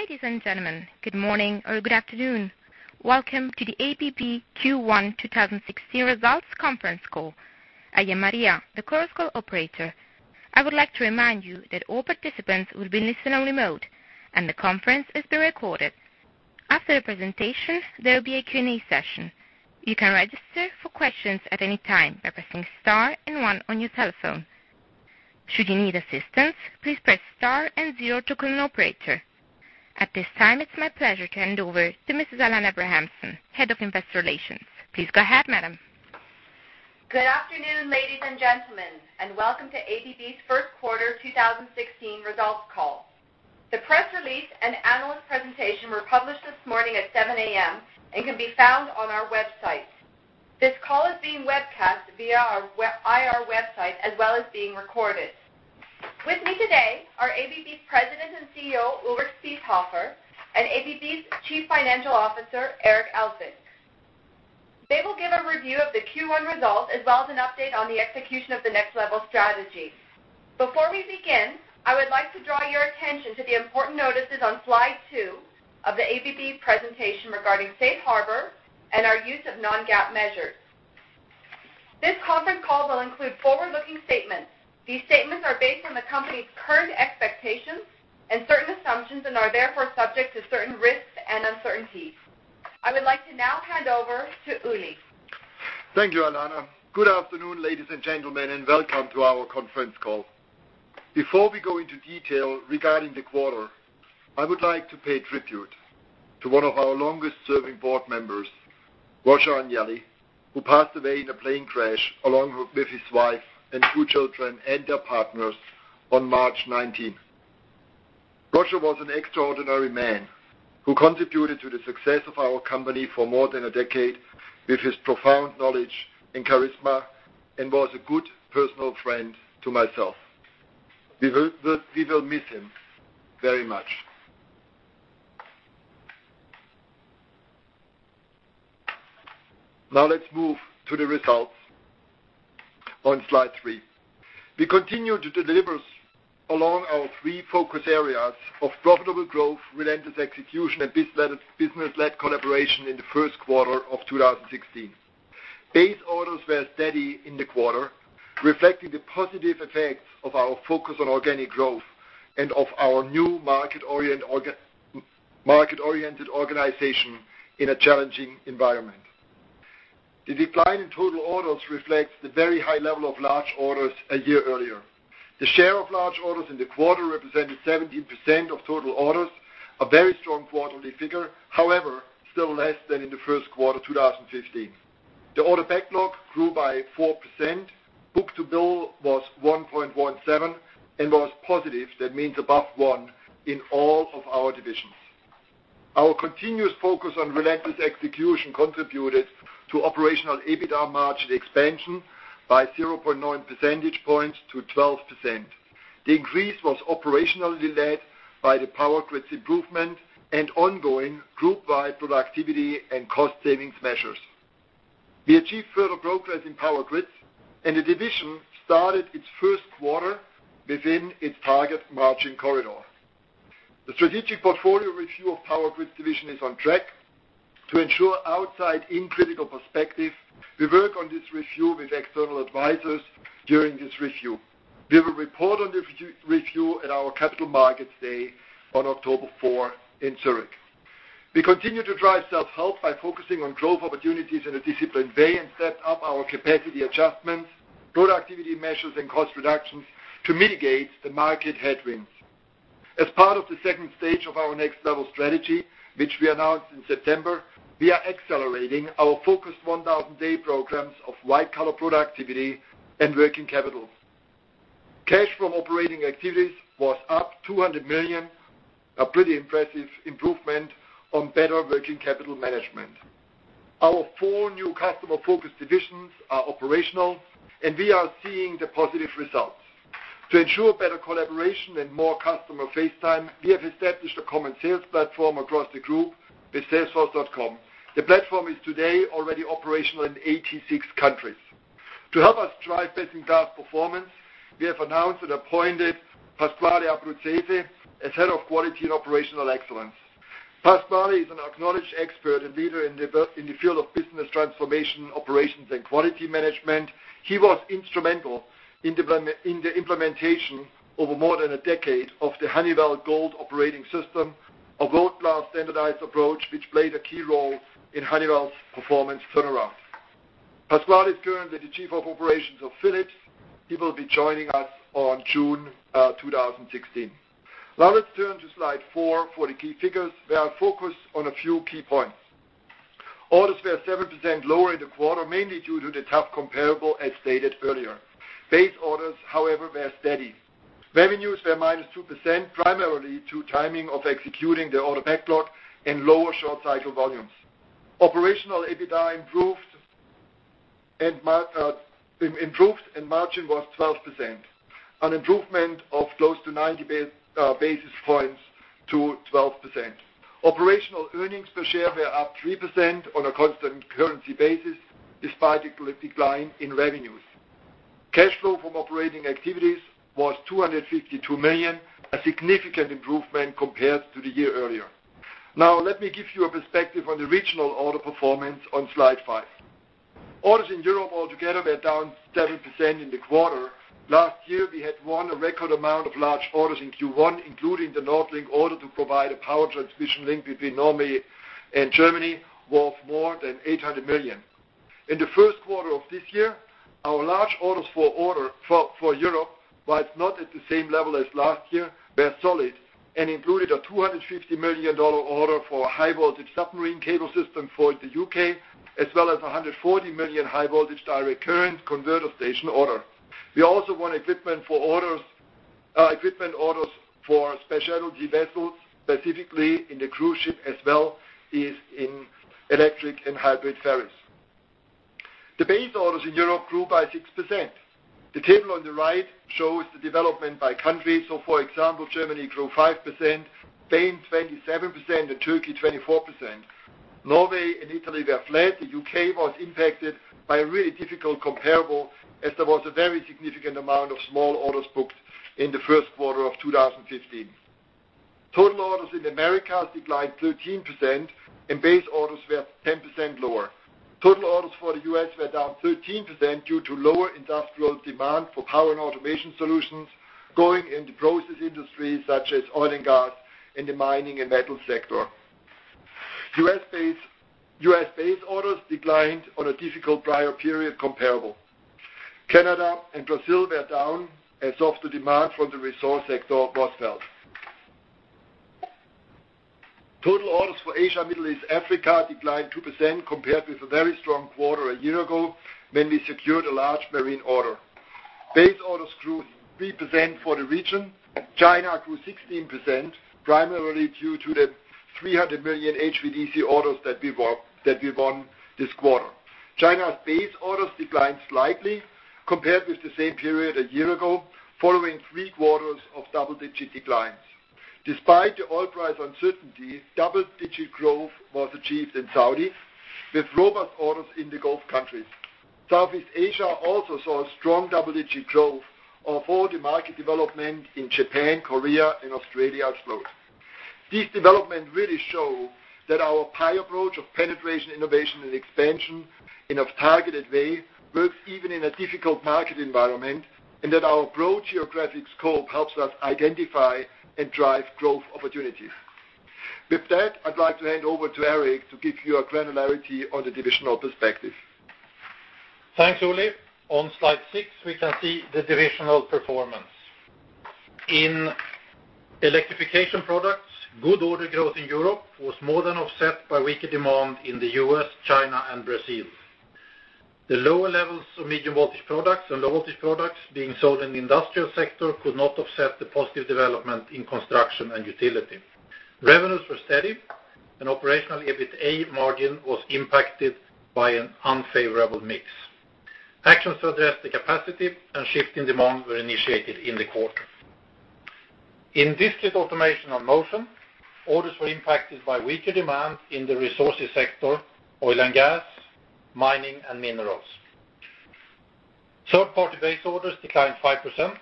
Ladies and gentlemen, good morning or good afternoon. Welcome to the ABB Q1 2016 Results Conference Call. I am Maria, the conference call operator. I would like to remind you that all participants will be in listen-only mode, and the conference is being recorded. After the presentation, there will be a Q&A session. You can register for questions at any time by pressing star and one on your telephone. Should you need assistance, please press star and zero to connect to an operator. At this time, it's my pleasure to hand over to Mrs. Alanna Abrahamson, Head of Investor Relations. Please go ahead, madam. Good afternoon, ladies and gentlemen. Welcome to ABB's first quarter 2016 results call. The press release and analyst presentation were published this morning at 7:00 A.M. and can be found on our website. This call is being webcast via our IR website, as well as being recorded. With me today are ABB's President and CEO, Ulrich Spiesshofer, and ABB's Chief Financial Officer, Eric Elzvik. They will give a review of the Q1 results as well as an update on the execution of the Next Level strategy. Before we begin, I would like to draw your attention to the important notices on slide two of the ABB presentation regarding Safe Harbor and our use of non-GAAP measures. This conference call will include forward-looking statements. These statements are based on the company's current expectations and certain assumptions and are therefore subject to certain risks and uncertainties. I would like to now hand over to Uli. Thank you, Alanna. Good afternoon, ladies and gentlemen. Welcome to our conference call. Before we go into detail regarding the quarter, I would like to pay tribute to one of our longest-serving board members, Roger Agnelli, who passed away in a plane crash along with his wife and two children and their partners on March 19th. Roger was an extraordinary man who contributed to the success of our company for more than a decade with his profound knowledge and charisma and was a good personal friend to myself. We will miss him very much. Now let's move to the results on slide three. We continued to deliver along our three focus areas of profitable growth, relentless execution, and business-led collaboration in the first quarter of 2016. Base orders were steady in the quarter, reflecting the positive effects of our focus on organic growth and of our new market-oriented organization in a challenging environment. The decline in total orders reflects the very high level of large orders a year earlier. The share of large orders in the quarter represented 17% of total orders, a very strong quarterly figure, however, still less than in the first quarter 2015. The order backlog grew by 4%. Book-to-bill was 1.17 and was positive, that means above one, in all of our divisions. Our continuous focus on relentless execution contributed to operational EBITA margin expansion by 0.9 percentage points to 12%. The increase was operationally led by the Power Grids improvement and ongoing group-wide productivity and cost savings measures. We achieved further progress in Power Grids, and the division started its first quarter within its target margin corridor. The strategic portfolio review of Power Grids division is on track. To ensure outside-in critical perspective, we work on this review with external advisors during this review. We will report on the review at our Capital Markets Day on October 4 in Zurich. We continue to drive self-help by focusing on growth opportunities in a disciplined way and set up our capacity adjustments, productivity measures, and cost reductions to mitigate the market headwinds. As part of the stage 2 of our Next Level strategy, which we announced in September, we are accelerating our focused 1,000-day programs of White Collar Productivity and working capital. Cash from operating activities was up $200 million, a pretty impressive improvement on better working capital management. Our four new customer-focused divisions are operational, and we are seeing the positive results. To ensure better collaboration and more customer face time, we have established a common sales platform across the group with salesforce.com. The platform is today already operational in 86 countries. To help us drive best-in-class performance, we have announced and appointed Pasquale Abruzzese as Head of Quality and Operational Excellence. Pasquale is an acknowledged expert and leader in the field of business transformation, operations, and quality management. He was instrumental in the implementation over more than a decade of the Honeywell Gold Operating System, a world-class standardized approach which played a key role in Honeywell's performance turnaround. Pasquale is currently the Chief of Operations of Philips. He will be joining us on June 2016. Now let's turn to slide four for the key figures, where I focus on a few key points. Orders were 7% lower in the quarter, mainly due to the tough comparable, as stated earlier. Base orders, however, were steady. Revenues were -2%, primarily to timing of executing the order backlog and lower short-cycle volumes. Operational EBITA improved, and margin was 12%, an improvement of close to 90 basis points to 12%. Operational earnings per share were up 3% on a constant currency basis, despite a decline in revenues. Cash flow from operating activities was $252 million, a significant improvement compared to the year earlier. Now, let me give you a perspective on the regional order performance on slide five. Orders in Europe altogether were down 7% in the quarter. Last year, we had won a record amount of large orders in Q1, including the NordLink order to provide a power transmission link between Norway and Germany worth more than $800 million. In the first quarter of this year, our large orders for Europe, while it is not at the same level as last year, were solid and included a $250 million order for a high-voltage submarine cable system for the U.K., as well as a $140 million HVDC converter station order. We also won equipment orders for special energy vessels, specifically in the cruise ship as well as in electric and hybrid ferries. The base orders in Europe grew by 6%. The table on the right shows the development by country. For example, Germany grew 5%, Spain 27%, and Turkey 24%. Norway and Italy were flat. The U.K. was impacted by a really difficult comparable as there was a very significant amount of small orders booked in the first quarter of 2015. Total orders in the Americas declined 13%, and base orders were 10% lower. Total orders for the U.S. were down 13% due to lower industrial demand for power and automation solutions going into process industries such as oil and gas and the mining and metal sector. U.S. base orders declined on a difficult prior period comparable. Canada and Brazil were down as the demand from the resource sector was felt. Total orders for Asia, Middle East, Africa declined 2% compared with a very strong quarter a year ago when we secured a large marine order. Base orders grew 3% for the region. China grew 16%, primarily due to the $300 million HVDC orders that we won this quarter. China's base orders declined slightly compared with the same period a year ago, following three quarters of double-digit declines. Despite the oil price uncertainty, double-digit growth was achieved in Saudi with robust orders in the Gulf countries. Southeast Asia also saw strong double-digit growth although the market development in Japan, Korea, and Australia are slow. These developments really show that our PIE approach of penetration, innovation, and expansion in a targeted way works even in a difficult market environment, and that our broad geographic scope helps us identify and drive growth opportunities. With that, I would like to hand over to Eric to give you a granularity on the divisional perspective. Thanks, Ulrich. On slide six, we can see the divisional performance. In Electrification Products, good order growth in Europe was more than offset by weaker demand in the U.S., China, and Brazil. The lower levels of medium-voltage products and low-voltage products being sold in the industrial sector could not offset the positive development in construction and utility. Revenues were steady and operational EBITA margin was impacted by an unfavorable mix. Actions to address the capacity and shift in demand were initiated in the quarter. In Discrete Automation and Motion, orders were impacted by weaker demand in the resources sector, oil and gas, mining, and minerals. Third-party base orders declined 5%.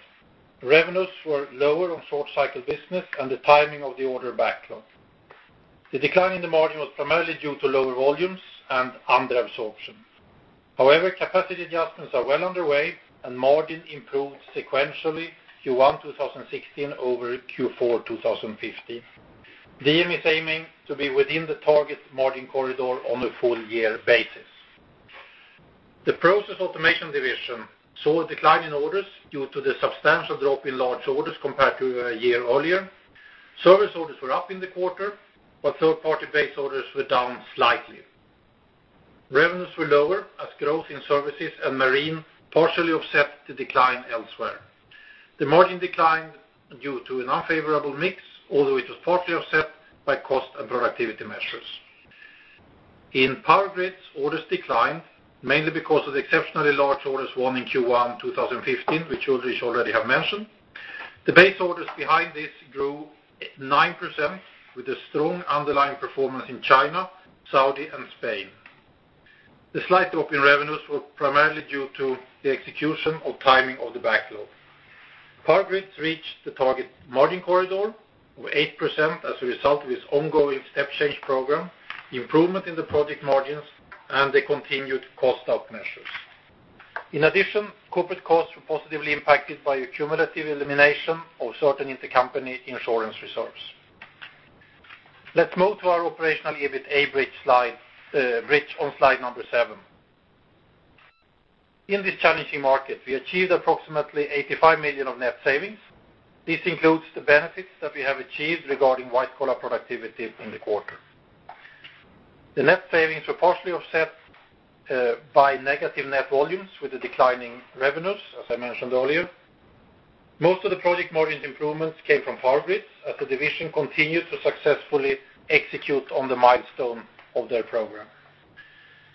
Revenues were lower on short-cycle business and the timing of the order backlog. The decline in the margin was primarily due to lower volumes and under absorption. However, capacity adjustments are well underway, margin improved sequentially Q1 2016 over Q4 2015. DM is aiming to be within the target margin corridor on a full-year basis. The Process Automation division saw a decline in orders due to the substantial drop in large orders compared to a year earlier. Service orders were up in the quarter, but third-party base orders were down slightly. Revenues were lower as growth in services and marine partially offset the decline elsewhere. The margin declined due to an unfavorable mix, although it was partially offset by cost and productivity measures. In Power Grids, orders declined mainly because of the exceptionally large orders won in Q1 2015, which Ulrich already have mentioned. The base orders behind this grew 9% with a strong underlying performance in China, Saudi, and Spain. The slight drop in revenues were primarily due to the execution or timing of the backlog. Power Grids reached the target margin corridor of 8% as a result of its ongoing step change program, improvement in the project margins, and the continued cost-out measures. In addition, corporate costs were positively impacted by a cumulative elimination of certain intercompany insurance reserves. Let's move to our operational EBITA bridge on slide seven. In this challenging market, we achieved approximately 85 million of net savings. This includes the benefits that we have achieved regarding White Collar Productivity in the quarter. The net savings were partially offset by negative net volumes with the declining revenues, as I mentioned earlier. Most of the project margin improvements came from Power Grids, as the division continued to successfully execute on the milestone of their program.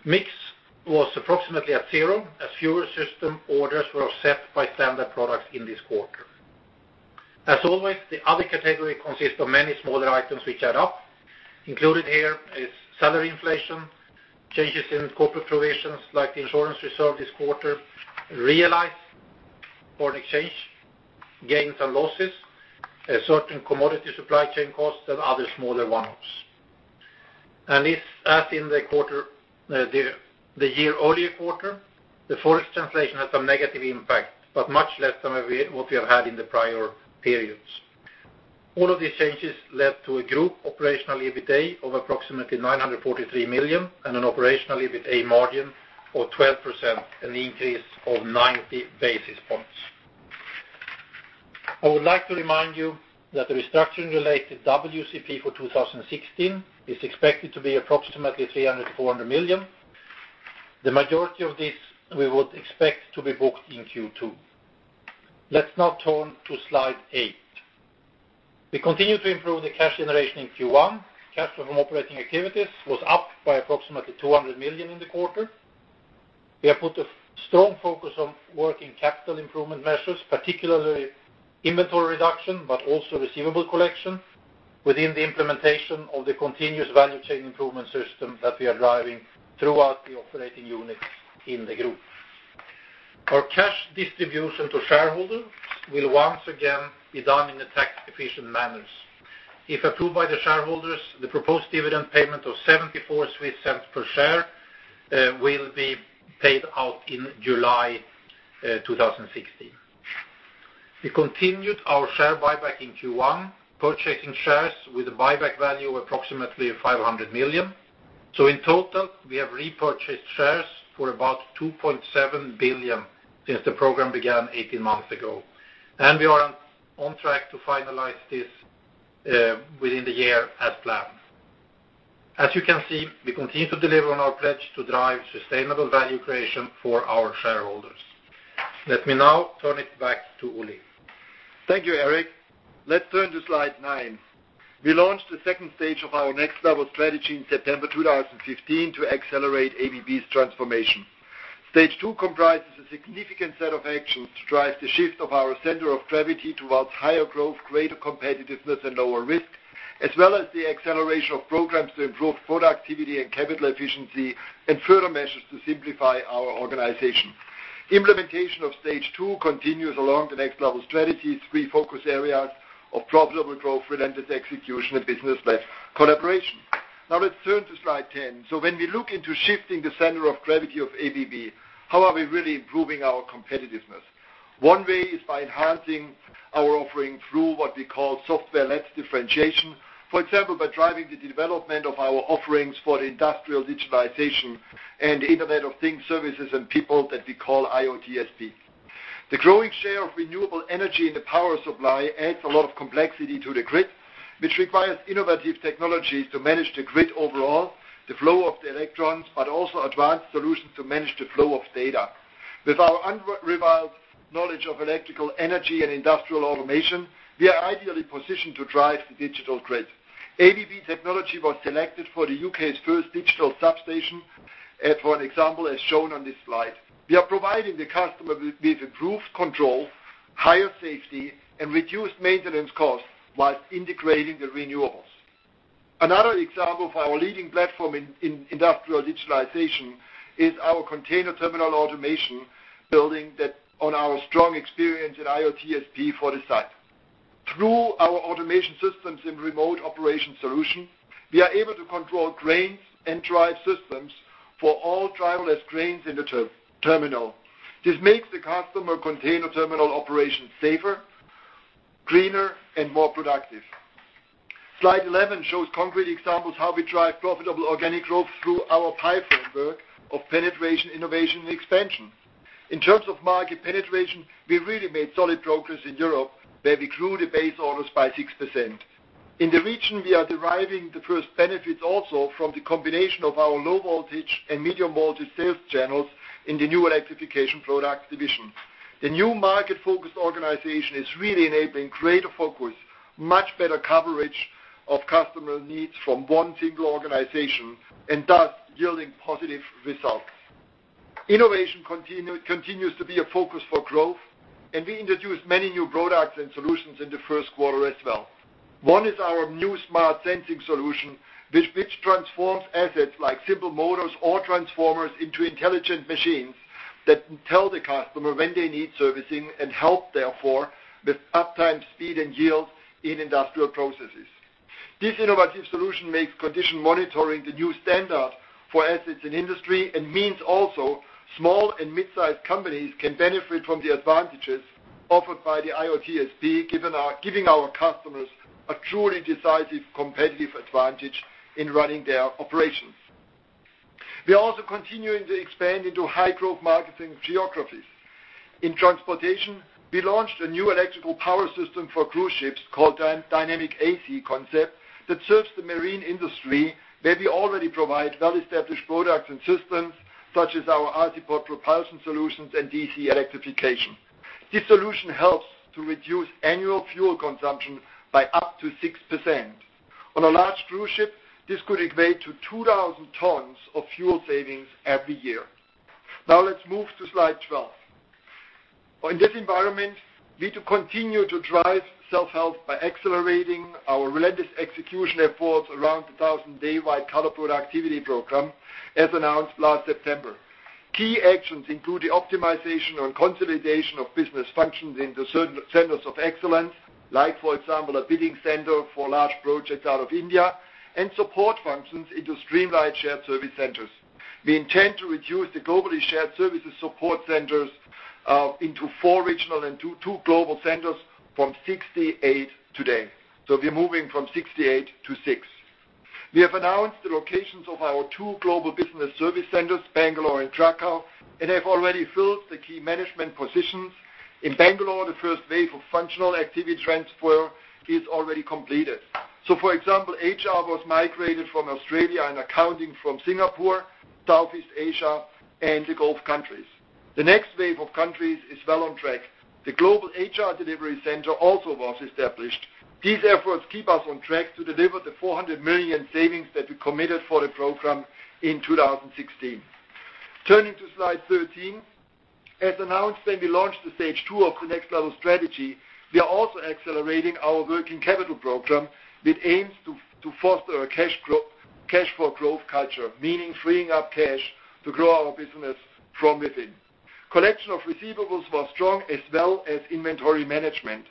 Mix was approximately at 0 as fewer system orders were offset by standard products in this quarter. As always, the other category consists of many smaller items which add up. Included here is salary inflation, changes in corporate provisions like the insurance reserve this quarter, realized foreign exchange gains and losses, certain commodity supply chain costs, and other smaller one-offs. As in the year earlier quarter, the Forex translation had some negative impact, but much less than what we have had in the prior periods. All of these changes led to a group operational EBITA of approximately 943 million and an operational EBITA margin of 12%, an increase of 90 basis points. I would like to remind you that the restructuring-related WCP for 2016 is expected to be approximately 300 million to 400 million. The majority of this we would expect to be booked in Q2. Let's now turn to slide eight. We continue to improve the cash generation in Q1. Cash from operating activities was up by approximately 200 million in the quarter. We have put a strong focus on working capital improvement measures, particularly inventory reduction, but also receivable collection within the implementation of the continuous value chain improvement system that we are driving throughout the operating units in the group. Our cash distribution to shareholders will once again be done in a tax-efficient manner. If approved by the shareholders, the proposed dividend payment of 0.74 per share will be paid out in July 2016. We continued our share buyback in Q1, purchasing shares with a buyback value of approximately 500 million. In total, we have repurchased shares for about 2.7 billion since the program began 18 months ago. We are on track to finalize this within the year as planned. As you can see, we continue to deliver on our pledge to drive sustainable value creation for our shareholders. Let me now turn it back to Ulrich. Thank you, Eric. Let's turn to slide nine. We launched the second Stage 2 of our Next Level strategy in September 2015 to accelerate ABB's transformation. Stage 2 comprises a significant set of actions to drive the shift of our center of gravity towards higher growth, greater competitiveness, and lower risk, as well as the acceleration of programs to improve productivity and capital efficiency and further measures to simplify our organization. Implementation of Stage 2 continues along the Next Level strategy's three focus areas of profitable growth, relentless execution, and business-led collaboration. Let's turn to slide 10. When we look into shifting the center of gravity of ABB, how are we really improving our competitiveness? One way is by enhancing our offering through what we call software-led differentiation. For example, by driving the development of our offerings for the industrial digitalization and Internet of Things, Services and People that we call IoTSP. The growing share of renewable energy in the power supply adds a lot of complexity to the grid, which requires innovative technologies to manage the grid overall, the flow of the electrons, but also advanced solutions to manage the flow of data. With our unrivaled knowledge of electrical energy and industrial automation, we are ideally positioned to drive the digital grid. ABB technology was selected for the U.K.'s first digital substation, for an example, as shown on this slide. We are providing the customer with improved control, higher safety, and reduced maintenance costs while integrating the renewables. Another example of our leading platform in industrial digitalization is our container terminal automation building that on our strong experience in IoTSP for the site. Through our automation systems and remote operation solution, we are able to control cranes and drive systems for all driverless cranes in the terminal. This makes the customer container terminal operation safer, greener, and more productive. Slide 11 shows concrete examples how we drive profitable organic growth through our PIE framework of penetration, innovation, and expansion. In terms of market penetration, we really made solid progress in Europe, where we grew the base orders by 6%. In the region, we are deriving the first benefits also from the combination of our low voltage and medium voltage sales channels in the new Electrification Products Division. The new market-focused organization is really enabling greater focus, much better coverage of customer needs from one single organization, and thus yielding positive results. Innovation continues to be a focus for growth, and we introduced many new products and solutions in the first quarter as well. One is our new smart sensing solution, which transforms assets like simple motors or transformers into intelligent machines that tell the customer when they need servicing and help therefore with uptime, speed, and yield in industrial processes. This innovative solution makes condition monitoring the new standard for assets in industry and means also small and mid-sized companies can benefit from the advantages offered by the IoTSP, giving our customers a truly decisive competitive advantage in running their operations. We are also continuing to expand into high-growth marketing geographies. In transportation, we launched a new electrical power system for cruise ships called Dynamic AC Concept that serves the marine industry, where we already provide well-established products and systems such as our Azipod propulsion solutions and DC electrification. This solution helps to reduce annual fuel consumption by up to 6%. On a large cruise ship, this could equate to 2,000 tons of fuel savings every year. Let's move to slide 12. In this environment, we need to continue to drive self-help by accelerating our relentless execution efforts around the White Collar Productivity program, as announced last September. Key actions include the optimization and consolidation of business functions into centers of excellence. Like for example, a bidding center for large projects out of India and support functions into streamlined shared service centers. We intend to reduce the globally shared services support centers into four regional and two global centers from 68 today. We're moving from 68 to six. We have announced the locations of our two global business service centers, Bangalore and Krakow, and have already filled the key management positions. In Bangalore, the first wave of functional activity transfer is already completed. For example, HR was migrated from Australia and accounting from Singapore, Southeast Asia, and the Gulf countries. The next wave of countries is well on track. The global HR delivery center also was established. These efforts keep us on track to deliver the $400 million savings that we committed for the program in 2016. Turning to slide 13. As announced when we launched the stage 2 of the Next Level strategy, we are also accelerating our working capital program that aims to foster a cash for growth culture, meaning freeing up cash to grow our business from within. Collection of receivables was strong, as well as inventory management.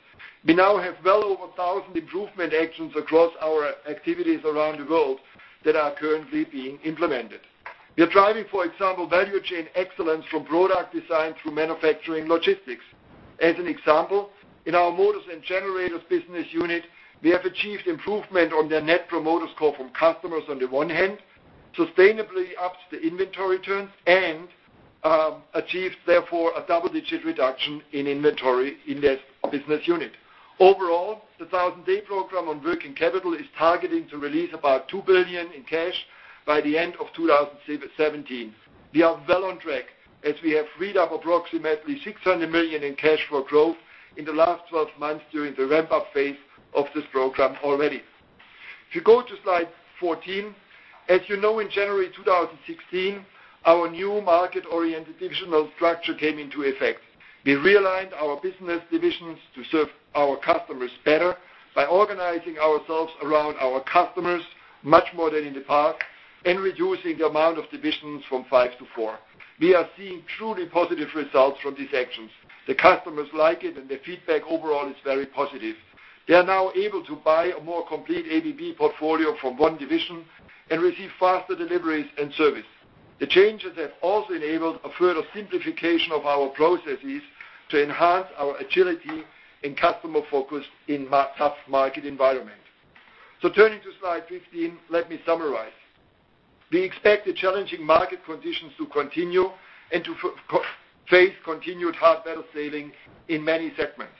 We now have well over 1,000 improvement actions across our activities around the world that are currently being implemented. We are driving, for example, value chain excellence from product design through manufacturing logistics. As an example, in our motors and generators business unit, we have achieved improvement on their net promoter score from customers on the one hand, sustainably upped the inventory turns, and achieved therefore a double-digit reduction in inventory in this business unit. Overall, the Thousand Day program on working capital is targeting to release about $2 billion in cash by the end of 2017. We are well on track as we have freed up approximately $600 million in cash for growth in the last 12 months during the ramp-up phase of this program already. If you go to slide 14. As you know, in January 2016, our new market-oriented divisional structure came into effect. We realigned our business divisions to serve our customers better by organizing ourselves around our customers much more than in the past and reducing the amount of divisions from five to four. We are seeing truly positive results from these actions. The customers like it, and the feedback overall is very positive. They are now able to buy a more complete ABB portfolio from one division and receive faster deliveries and service. The changes have also enabled a further simplification of our processes to enhance our agility and customer focus in tough market environment. Turning to slide 15, let me summarize. We expect the challenging market conditions to continue and to face continued hard battle sailing in many segments.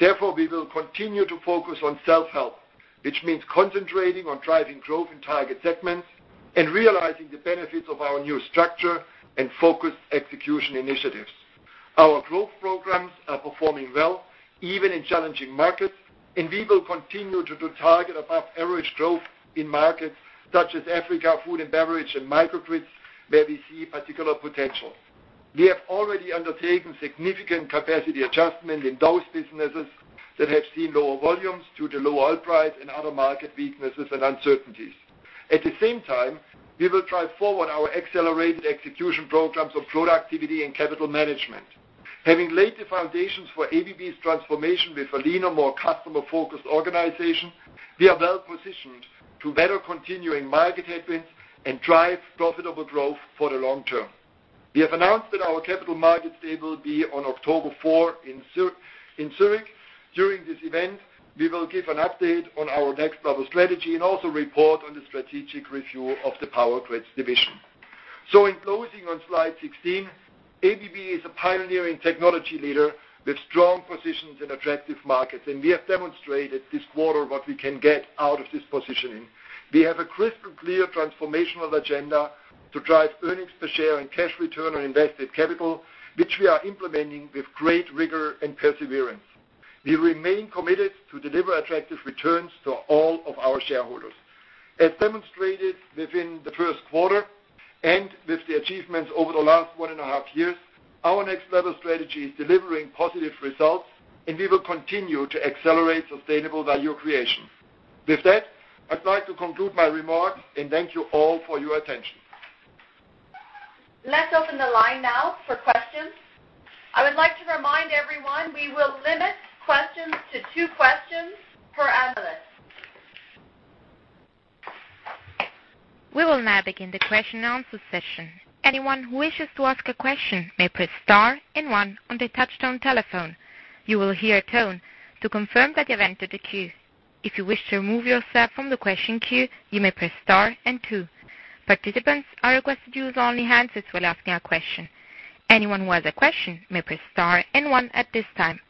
Therefore, we will continue to focus on self-help, which means concentrating on driving growth in target segments and realizing the benefits of our new structure and focus execution initiatives. Our growth programs are performing well, even in challenging markets, and we will continue to target above-average growth in markets such as Africa, food and beverage, and microgrids, where we see particular potential. We have already undertaken significant capacity adjustment in those businesses that have seen lower volumes due to low oil price and other market weaknesses and uncertainties. At the same time, we will drive forward our accelerated execution programs of productivity and capital management. Having laid the foundations for ABB's transformation with a leaner, more customer-focused organization, we are well-positioned to better continue in market headwinds and drive profitable growth for the long term. We have announced that our Capital Markets Day will be on October 4 in Zurich. During this event, we will give an update on our Next Level strategy and also report on the strategic review of the Power Grids division. In closing on slide 16, ABB is a pioneering technology leader with strong positions in attractive markets, and we have demonstrated this quarter what we can get out of this positioning. We have a crystal-clear transformational agenda to drive earnings per share and cash return on invested capital, which we are implementing with great rigor and perseverance. We remain committed to deliver attractive returns to all of our shareholders. As demonstrated within the first quarter and with the achievements over the last one and a half years, our Next Level strategy is delivering positive results, and we will continue to accelerate sustainable value creation. With that, I'd like to conclude my remarks and thank you all for your attention. Let's open the line now for questions. I would like to remind everyone, we will limit questions to two questions per analyst. We will now begin the question and answer session. Anyone who wishes to ask a question may press star and one on their touch-tone telephone. You will hear a tone to confirm that you have entered the queue. If you wish to remove yourself from the question queue, you may press star and two. Participants are requested to use only handsets while asking a question. Anyone who has a question may press star and one at this time.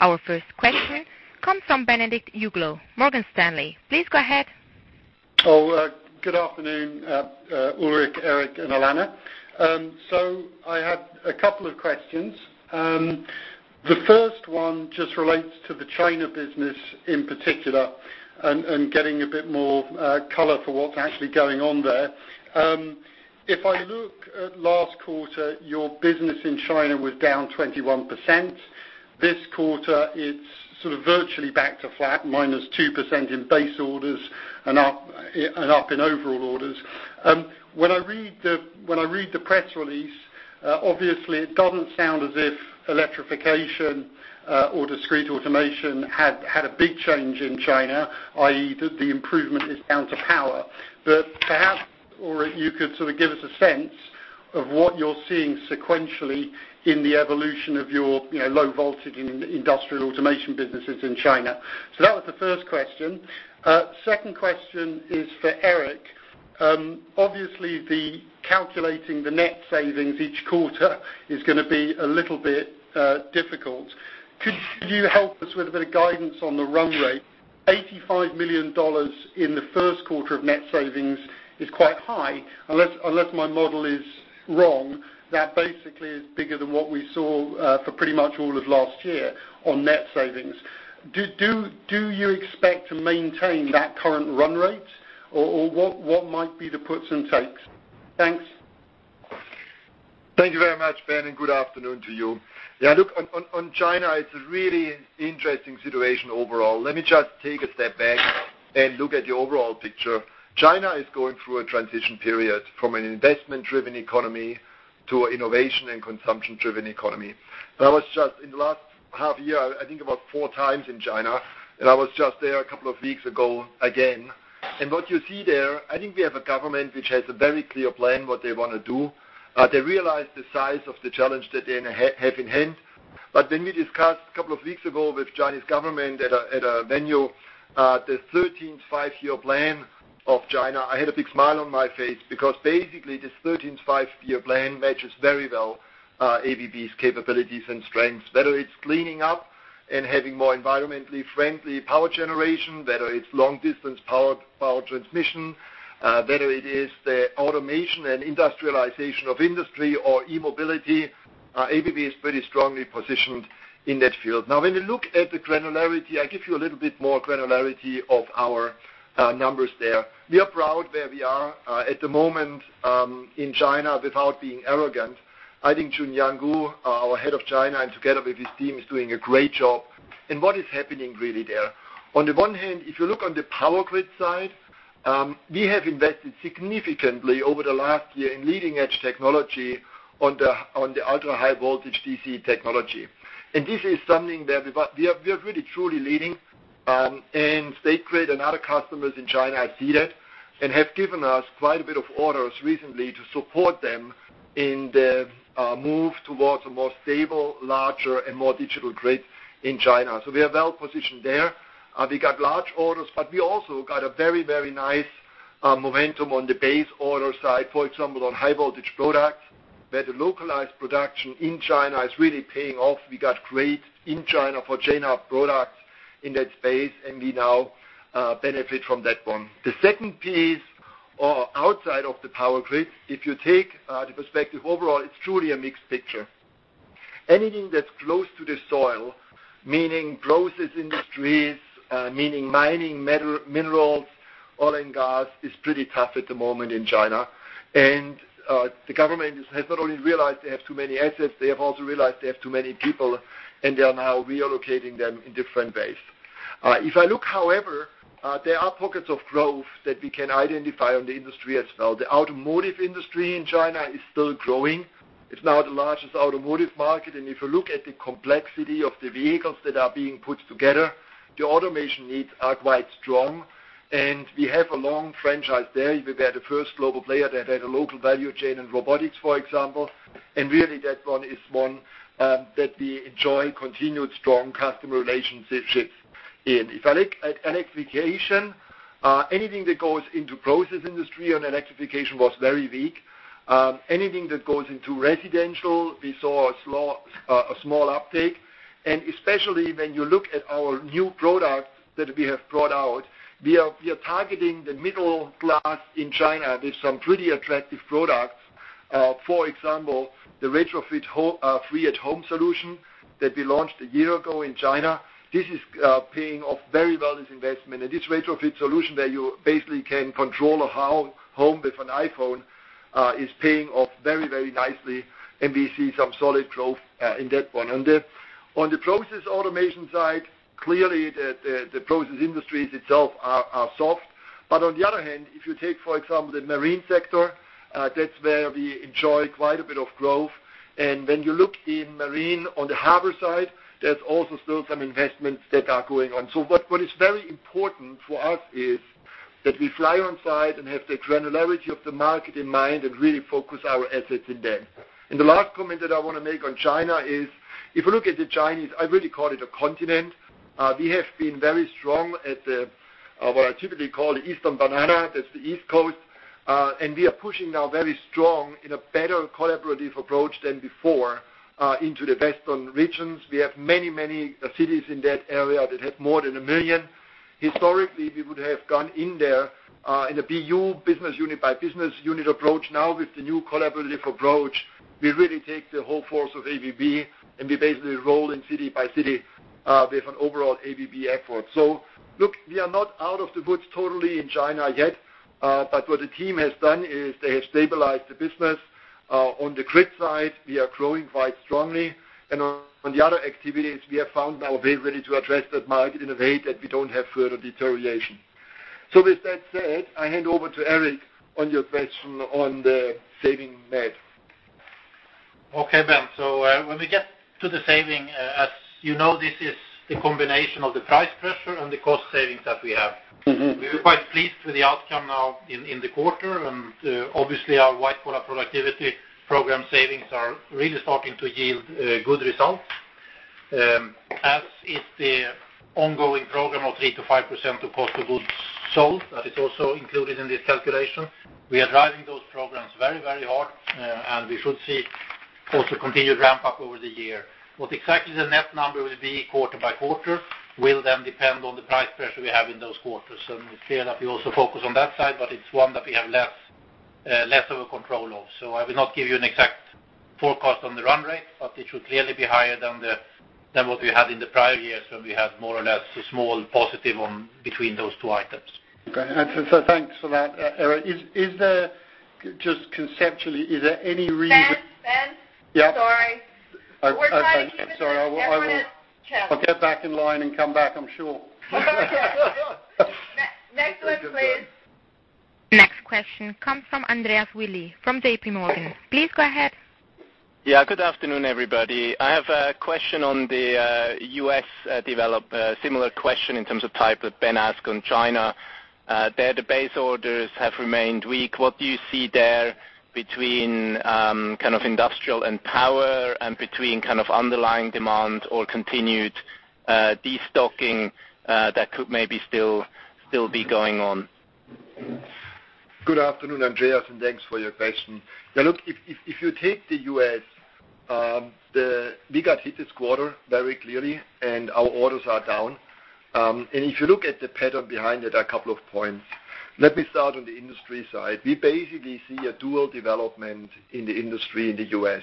Our first question comes from Benedict Uglow, Morgan Stanley. Please go ahead. Good afternoon, Ulrich, Eric, and Alanna. I have a couple of questions. The first one just relates to the China business in particular and getting a bit more color for what's actually going on there. If I look at last quarter, your business in China was down 21%. This quarter, it's sort of virtually back to flat, minus 2% in base orders and up in overall orders. When I read the press release, obviously it doesn't sound as if Electrification or Discrete Automation had a big change in China, i.e., the improvement is down to power. Perhaps, Ulrich, you could sort of give us a sense of what you're seeing sequentially in the evolution of your low voltage in industrial automation businesses in China. That was the first question. Second question is for Eric. Obviously, the calculating the net savings each quarter is going to be a little bit difficult. Could you help us with a bit of guidance on the run rate? $85 million in the first quarter of net savings is quite high. Unless my model is wrong, that basically is bigger than what we saw for pretty much all of last year on net savings. Do you expect to maintain that current run rate? What might be the puts and takes? Thanks. Thank you very much, Ben, and good afternoon to you. Look on China, it's a really interesting situation overall. Let me just take a step back and look at the overall picture. China is going through a transition period from an investment-driven economy to an innovation and consumption-driven economy. In the last half year, I think about four times in China, and I was just there a couple of weeks ago again. What you see there, I think we have a government which has a very clear plan what they want to do. They realize the size of the challenge that they have in hand. When we discussed a couple of weeks ago with Chinese government at a venue, the 13th Five-Year Plan of China, I had a big smile on my face because basically this 13th Five-Year Plan matches very well ABB's capabilities and strengths. Whether it's cleaning up and having more environmentally friendly power generation, whether it's long-distance power transmission, whether it is the automation and industrialization of industry or e-mobility, ABB is pretty strongly positioned in that field. When we look at the granularity, I give you a little bit more granularity of our numbers there. We are proud where we are at the moment in China without being arrogant. I think Chunyuan Gu, our Head of China, and together with his team, is doing a great job. What is happening really there, on the one hand, if you look on the power grid side, we have invested significantly over the last year in leading-edge technology on the ultra-high voltage DC technology. This is something that we are really truly leading. State Grid and other customers in China see that and have given us quite a bit of orders recently to support them in the move towards a more stable, larger, and more digital grid in China. We are well positioned there. We got large orders, but we also got a very nice momentum on the base order side. For example, on high voltage products, where the localized production in China is really paying off. We got great in-China for China products in that space, we now benefit from that one. The second piece, or outside of the power grid, if you take the perspective overall, it's truly a mixed picture. Anything that's close to the soil, meaning process industries, meaning mining minerals, oil and gas, is pretty tough at the moment in China. The government has not only realized they have too many assets, they have also realized they have too many people, and they are now relocating them in different ways. If I look, however, there are pockets of growth that we can identify on the industry as well. The automotive industry in China is still growing. It's now the largest automotive market, and if you look at the complexity of the vehicles that are being put together, the automation needs are quite strong. We have a long franchise there. We were the first global player that had a local value chain in robotics, for example. Really that one is one that we enjoy continued strong customer relationships in. If I look at electrification, anything that goes into process industry on electrification was very weak. Anything that goes into residential, we saw a small uptake. Especially when you look at our new products that we have brought out, we are targeting the middle class in China with some pretty attractive products. For example, the retrofit ABB-free@home solution that we launched a year ago in China. This is paying off very well as an investment. This retrofit solution that you basically can control a home with an iPhone, is paying off very nicely, we see some solid growth in that one. On the process automation side, clearly the process industries itself are soft. On the other hand, if you take, for example, the marine sector, that's where we enjoy quite a bit of growth. When you look in marine on the harbor side, there's also still some investments that are going on. What is very important for us is that we fly on site and have the granularity of the market in mind and really focus our efforts in them. The last comment that I want to make on China is, if you look at the Chinese, I really call it a continent. We have been very strong at the, what I typically call the eastern banana, that's the East Coast. We are pushing now very strong in a better collaborative approach than before, into the western regions. We have many, many cities in that area that have more than 1 million. Historically, we would have gone in there in a BU, business unit by business unit approach. With the new collaborative approach, we really take the whole force of ABB and we basically roll in city by city. We have an overall ABB effort. Look, we are not out of the woods totally in China yet, but what the team has done is they have stabilized the business. On the grid side, we are growing quite strongly. On the other activities, we have found now ways really to address that market in a way that we don't have further deterioration. With that said, I hand over to Eric on your question on the saving net. Okay, Ben. When we get to the saving, as you know, this is the combination of the price pressure and the cost savings that we have. We were quite pleased with the outcome now in the quarter. Obviously, our White Collar Productivity program savings are really starting to yield good results, as is the ongoing program of 3%-5% of cost of goods sold. That is also included in this calculation. We are driving those programs very, very hard, and we should see also continued ramp-up over the year. What exactly the net number will be quarter by quarter will then depend on the price pressure we have in those quarters. It's clear that we also focus on that side, but it's one that we have less of a control of. I will not give you an exact forecast on the run rate, but it should clearly be higher than what we had in the prior years when we had more or less a small positive between those two items. Okay. Thanks for that, Eric. Just conceptually, is there any reason? Ben? Yeah. Sorry. Okay. We're trying to keep it to everyone else. I'm sorry. I'll get back in line and come back, I'm sure. Next one, please. Next question comes from Andreas Willi from JPMorgan. Please go ahead. Yeah, good afternoon, everybody. I have a question on the U.S. develop, a similar question in terms of type that Ben asked on China. There, the base orders have remained weak. What do you see there between kind of industrial and power and between kind of underlying demand or continued de-stocking that could maybe still be going on? Good afternoon, Andreas, and thanks for your question. Look, if you take the U.S., we got hit this quarter very clearly, and our orders are down. If you look at the pattern behind it, there are a couple of points. Let me start on the industry side. We basically see a dual development in the industry in the U.S.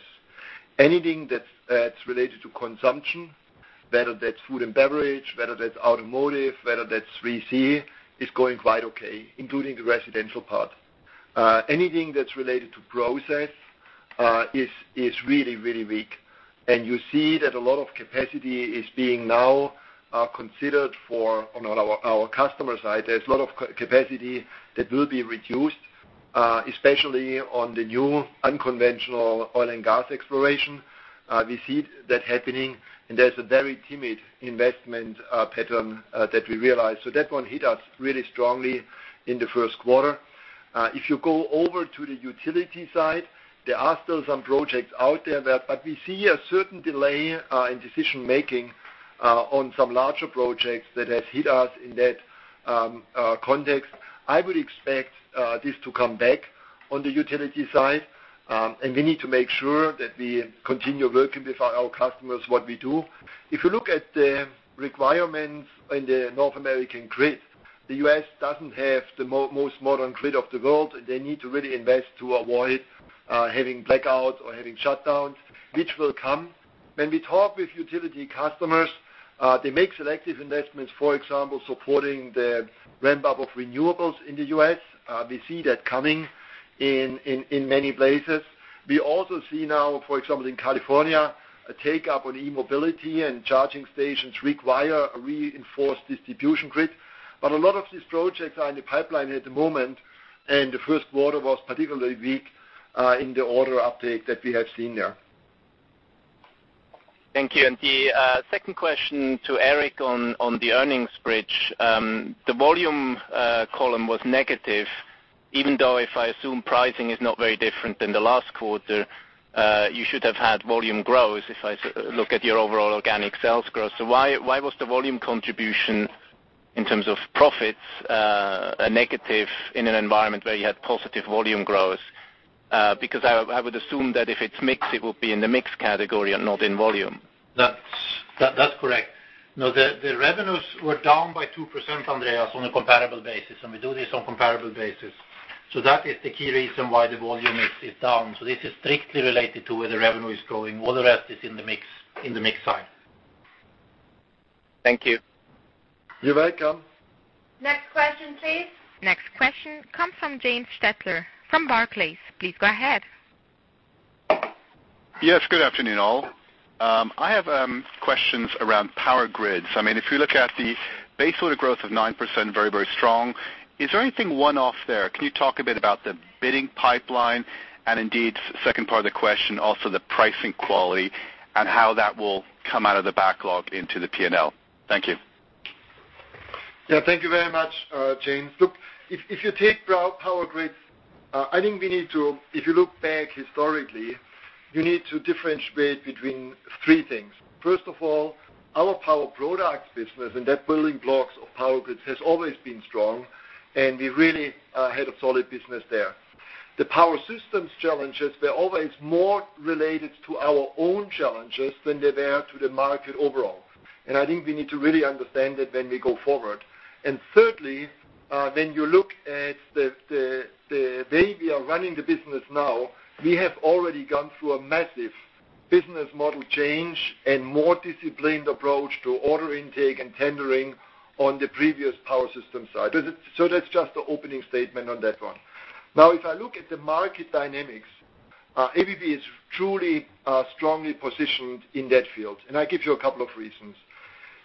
Anything that's related to consumption, whether that's food and beverage, whether that's automotive, whether that's 3C, is going quite okay, including the residential part. Anything that's related to process is really, really weak. You see that a lot of capacity is being now considered for on our customer side. There's a lot of capacity that will be reduced, especially on the new unconventional oil and gas exploration. We see that happening, and there's a very timid investment pattern that we realize. That one hit us really strongly in the first quarter. If you go over to the utility side, there are still some projects out there, we see a certain delay in decision-making on some larger projects that has hit us in that context. I would expect this to come back on the utility side, we need to make sure that we continue working with our customers, what we do. If you look at the requirements in the North American grid, the U.S. doesn't have the most modern grid of the world. They need to really invest to avoid having blackouts or having shutdowns, which will come. When we talk with utility customers, they make selective investments, for example, supporting the ramp-up of renewables in the U.S. We see that coming in many places. We also see now, for example, in California, a take-up on e-mobility and charging stations require a reinforced distribution grid. A lot of these projects are in the pipeline at the moment, the first quarter was particularly weak in the order update that we have seen there. Thank you. The second question to Eric on the earnings bridge. The volume column was negative, even though if I assume pricing is not very different than the last quarter, you should have had volume growth if I look at your overall organic sales growth. Why was the volume contribution in terms of profits, a negative in an environment where you had positive volume growth? I would assume that if it's mix, it would be in the mix category and not in volume. That's correct. The revenues were down by 2%, Andreas, on a comparable basis, we do this on comparable basis. That is the key reason why the volume is down. This is strictly related to where the revenue is going. All the rest is in the mix side. Thank you. You're welcome. Next question, please. Next question comes from James Stettler from Barclays. Please go ahead. Yes, good afternoon, all. I have questions around power grids. If you look at the base order growth of 9%, very, very strong. Is there anything one-off there? Can you talk a bit about the bidding pipeline and indeed, second part of the question, also the pricing quality and how that will come out of the backlog into the P&L? Thank you. Thank you very much, James. Look, if you take Power Grids, if you look back historically, you need to differentiate between three things. First of all, our Power Products business and that building blocks of Power Grids has always been strong, and we really had a solid business there. The Power Systems challenges were always more related to our own challenges than they were to the market overall. I think we need to really understand that when we go forward. Thirdly, when you look at the way we are running the business now, we have already gone through a massive business model change and more disciplined approach to order intake and tendering on the previous Power Systems side. That's just the opening statement on that one. If I look at the market dynamics, ABB is truly strongly positioned in that field. I give you a couple of reasons.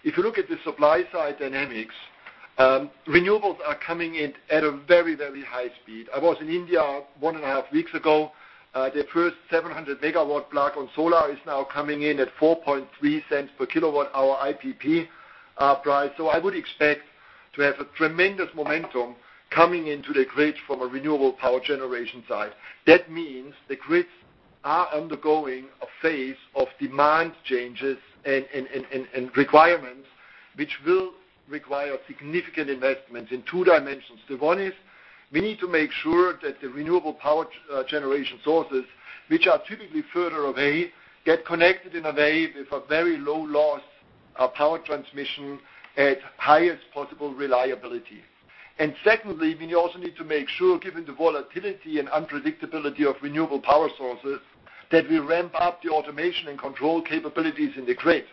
If you look at the supply side dynamics, renewables are coming in at a very, very high speed. I was in India one and a half weeks ago. Their first 700-megawatt plant on solar is now coming in at $0.043 per kilowatt-hour IPP price. I would expect to have a tremendous momentum coming into the grid from a renewable power generation side. That means the grids are undergoing a phase of demand changes and requirements which will require significant investments in two dimensions. The one is we need to make sure that the renewable power generation sources, which are typically further away, get connected in a way with a very low loss of power transmission at highest possible reliability. Secondly, we also need to make sure, given the volatility and unpredictability of renewable power sources, that we ramp up the automation and control capabilities in the grid.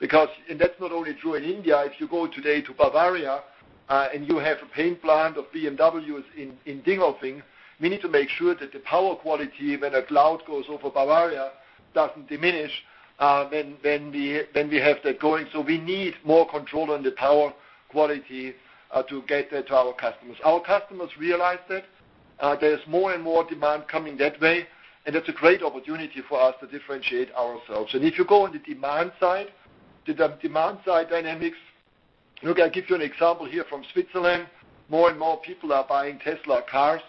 That's not only true in India. If you go today to Bavaria, and you have a paint plant of BMWs in Dingolfing, we need to make sure that the power quality, when a cloud goes over Bavaria, doesn't diminish when we have that going. We need more control on the power quality, to get that to our customers. Our customers realize that, there's more and more demand coming that way, and that's a great opportunity for us to differentiate ourselves. If you go on the demand side, the demand side dynamics. Look, I'll give you an example here from Switzerland. More and more people are buying Tesla cars.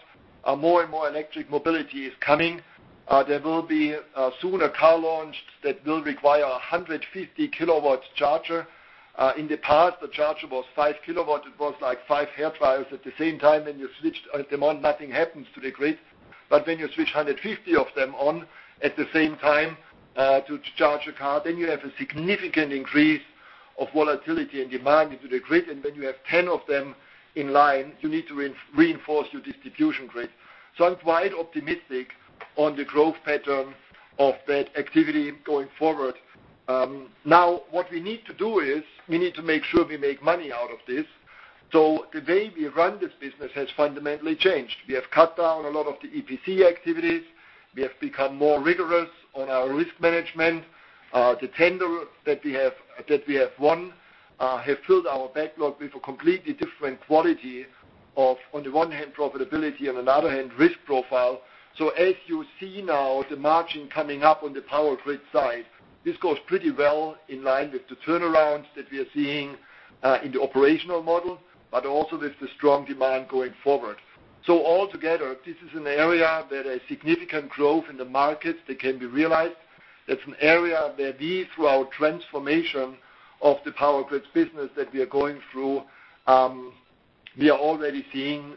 More and more electric mobility is coming. There will be, soon a car launch that will require 150 kilowatts charger. In the past, the charger was five kilowatts. It was like five hair dryers at the same time, and you switched them on, nothing happens to the grid. When you switch 150 of them on at the same time to charge a car, you have a significant increase of volatility and demand into the grid. When you have 10 of them in line, you need to reinforce your distribution grid. I'm quite optimistic on the growth pattern of that activity going forward. Now, what we need to do is, we need to make sure we make money out of this. The way we run this business has fundamentally changed. We have cut down a lot of the EPC activities. We have become more rigorous on our risk management. The tender that we have won, have filled our backlog with a completely different quality of, on the one hand, profitability, on another hand, risk profile. As you see now, the margin coming up on the power grid side, this goes pretty well in line with the turnarounds that we are seeing in the operational model, but also with the strong demand going forward. Altogether, this is an area where a significant growth in the markets that can be realized. That's an area where we, through our transformation of the power grids business that we are going through, we are already seeing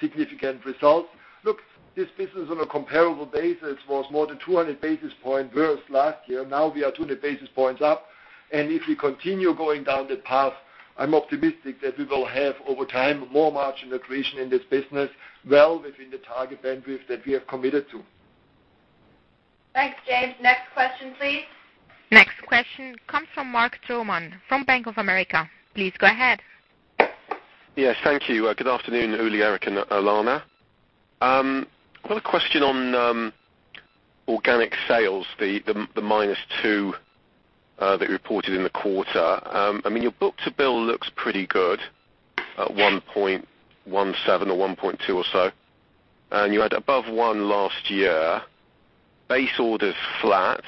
significant results. Look, this business on a comparable basis was more than 200 basis points worse last year. Now we are 200 basis points up. If we continue going down that path, I'm optimistic that we will have, over time, more margin accretion in this business, well within the target bandwidth that we have committed to. Thanks, James. Next question, please. Next question comes from Mark Troman from Bank of America. Please go ahead. Yes. Thank you. Good afternoon, Uli, Eric, and Alanna. I've got a question on organic sales, the -2% that you reported in the quarter. I mean, your book-to-bill looks pretty good at 1.17 or 1.2 or so, and you had above one last year. Base order's flat,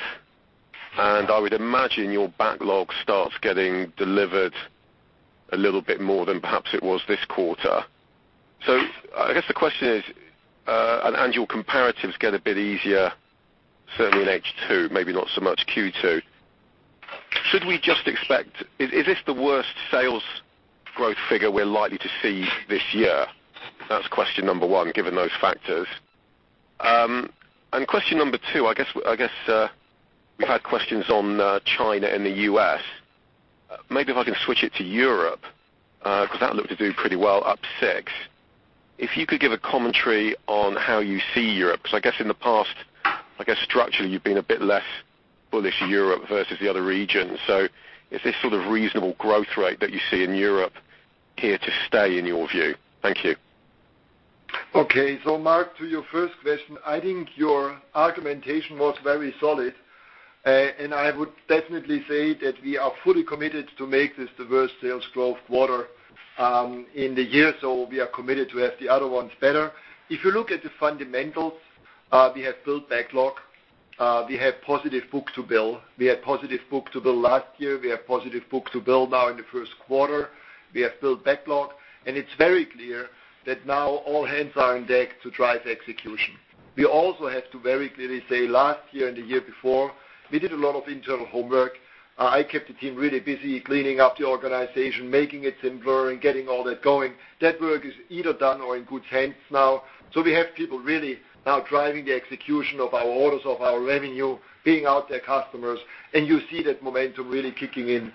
I would imagine your backlog starts getting delivered a little bit more than perhaps it was this quarter. I guess the question is, and your comparatives get a bit easier, certainly in H2, maybe not so much Q2. Should we just expect, is this the worst sales growth figure we're likely to see this year? That's question number one, given those factors. Question number two, I guess, we've had questions on China and the U.S. Maybe if I can switch it to Europe, because that looked to do pretty well, up 6%. If you could give a commentary on how you see Europe, because I guess in the past, I guess structurally, you've been a bit less bullish Europe versus the other regions. Is this sort of reasonable growth rate that you see in Europe here to stay in your view? Thank you. Okay. Mark, to your first question, I think your argumentation was very solid. I would definitely say that we are fully committed to make this diverse sales growth quarter in the year. We are committed to have the other ones better. If you look at the fundamentals, we have built backlog. We have positive book-to-bill. We had positive book-to-bill last year. We have positive book-to-bill now in the first quarter. We have built backlog, it's very clear that now all hands are on deck to drive execution. We also have to very clearly say last year and the year before, we did a lot of internal homework. I kept the team really busy cleaning up the organization, making it simpler, and getting all that going. That work is either done or in good hands now. We have people really now driving the execution of our orders, of our revenue, being out there customers, and you see that momentum really kicking in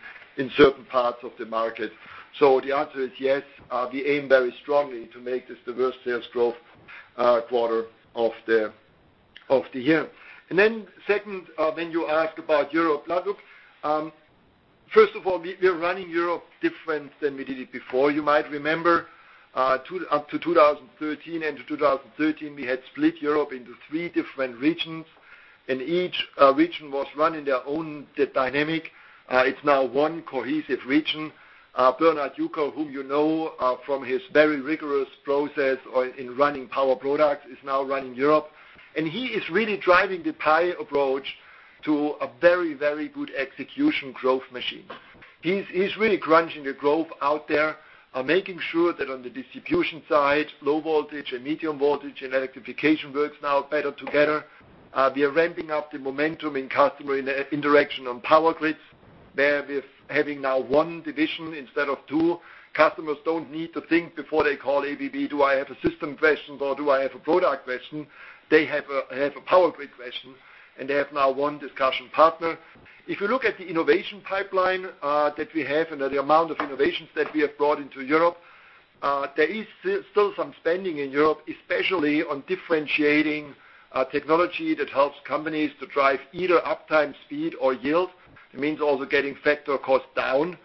certain parts of the market. The answer is yes, we aim very strongly to make this the best sales growth quarter of the year. Second, when you ask about Europe, look. First of all, we are running Europe different than we did it before. You might remember, up to 2013 and to 2013, we had split Europe into three different regions, and each region was running their own dynamic. It's now one cohesive region. Bernhard Jucker, whom you know from his very rigorous process in running power products, is now running Europe, and he is really driving the PIE approach to a very good execution growth machine. He's really crunching the growth out there, making sure that on the distribution side, low voltage and medium voltage and electrification works now better together. We are ramping up the momentum in customer interaction on power grids. There, we're having now one division instead of two. Customers don't need to think before they call ABB, "Do I have a system question or do I have a product question?" They have a power grid question, and they have now one discussion partner. If you look at the innovation pipeline that we have and the amount of innovations that we have brought into Europe, there is still some spending in Europe, especially on differentiating technology that helps companies to drive either uptime speed or yield. It means also getting factor cost down.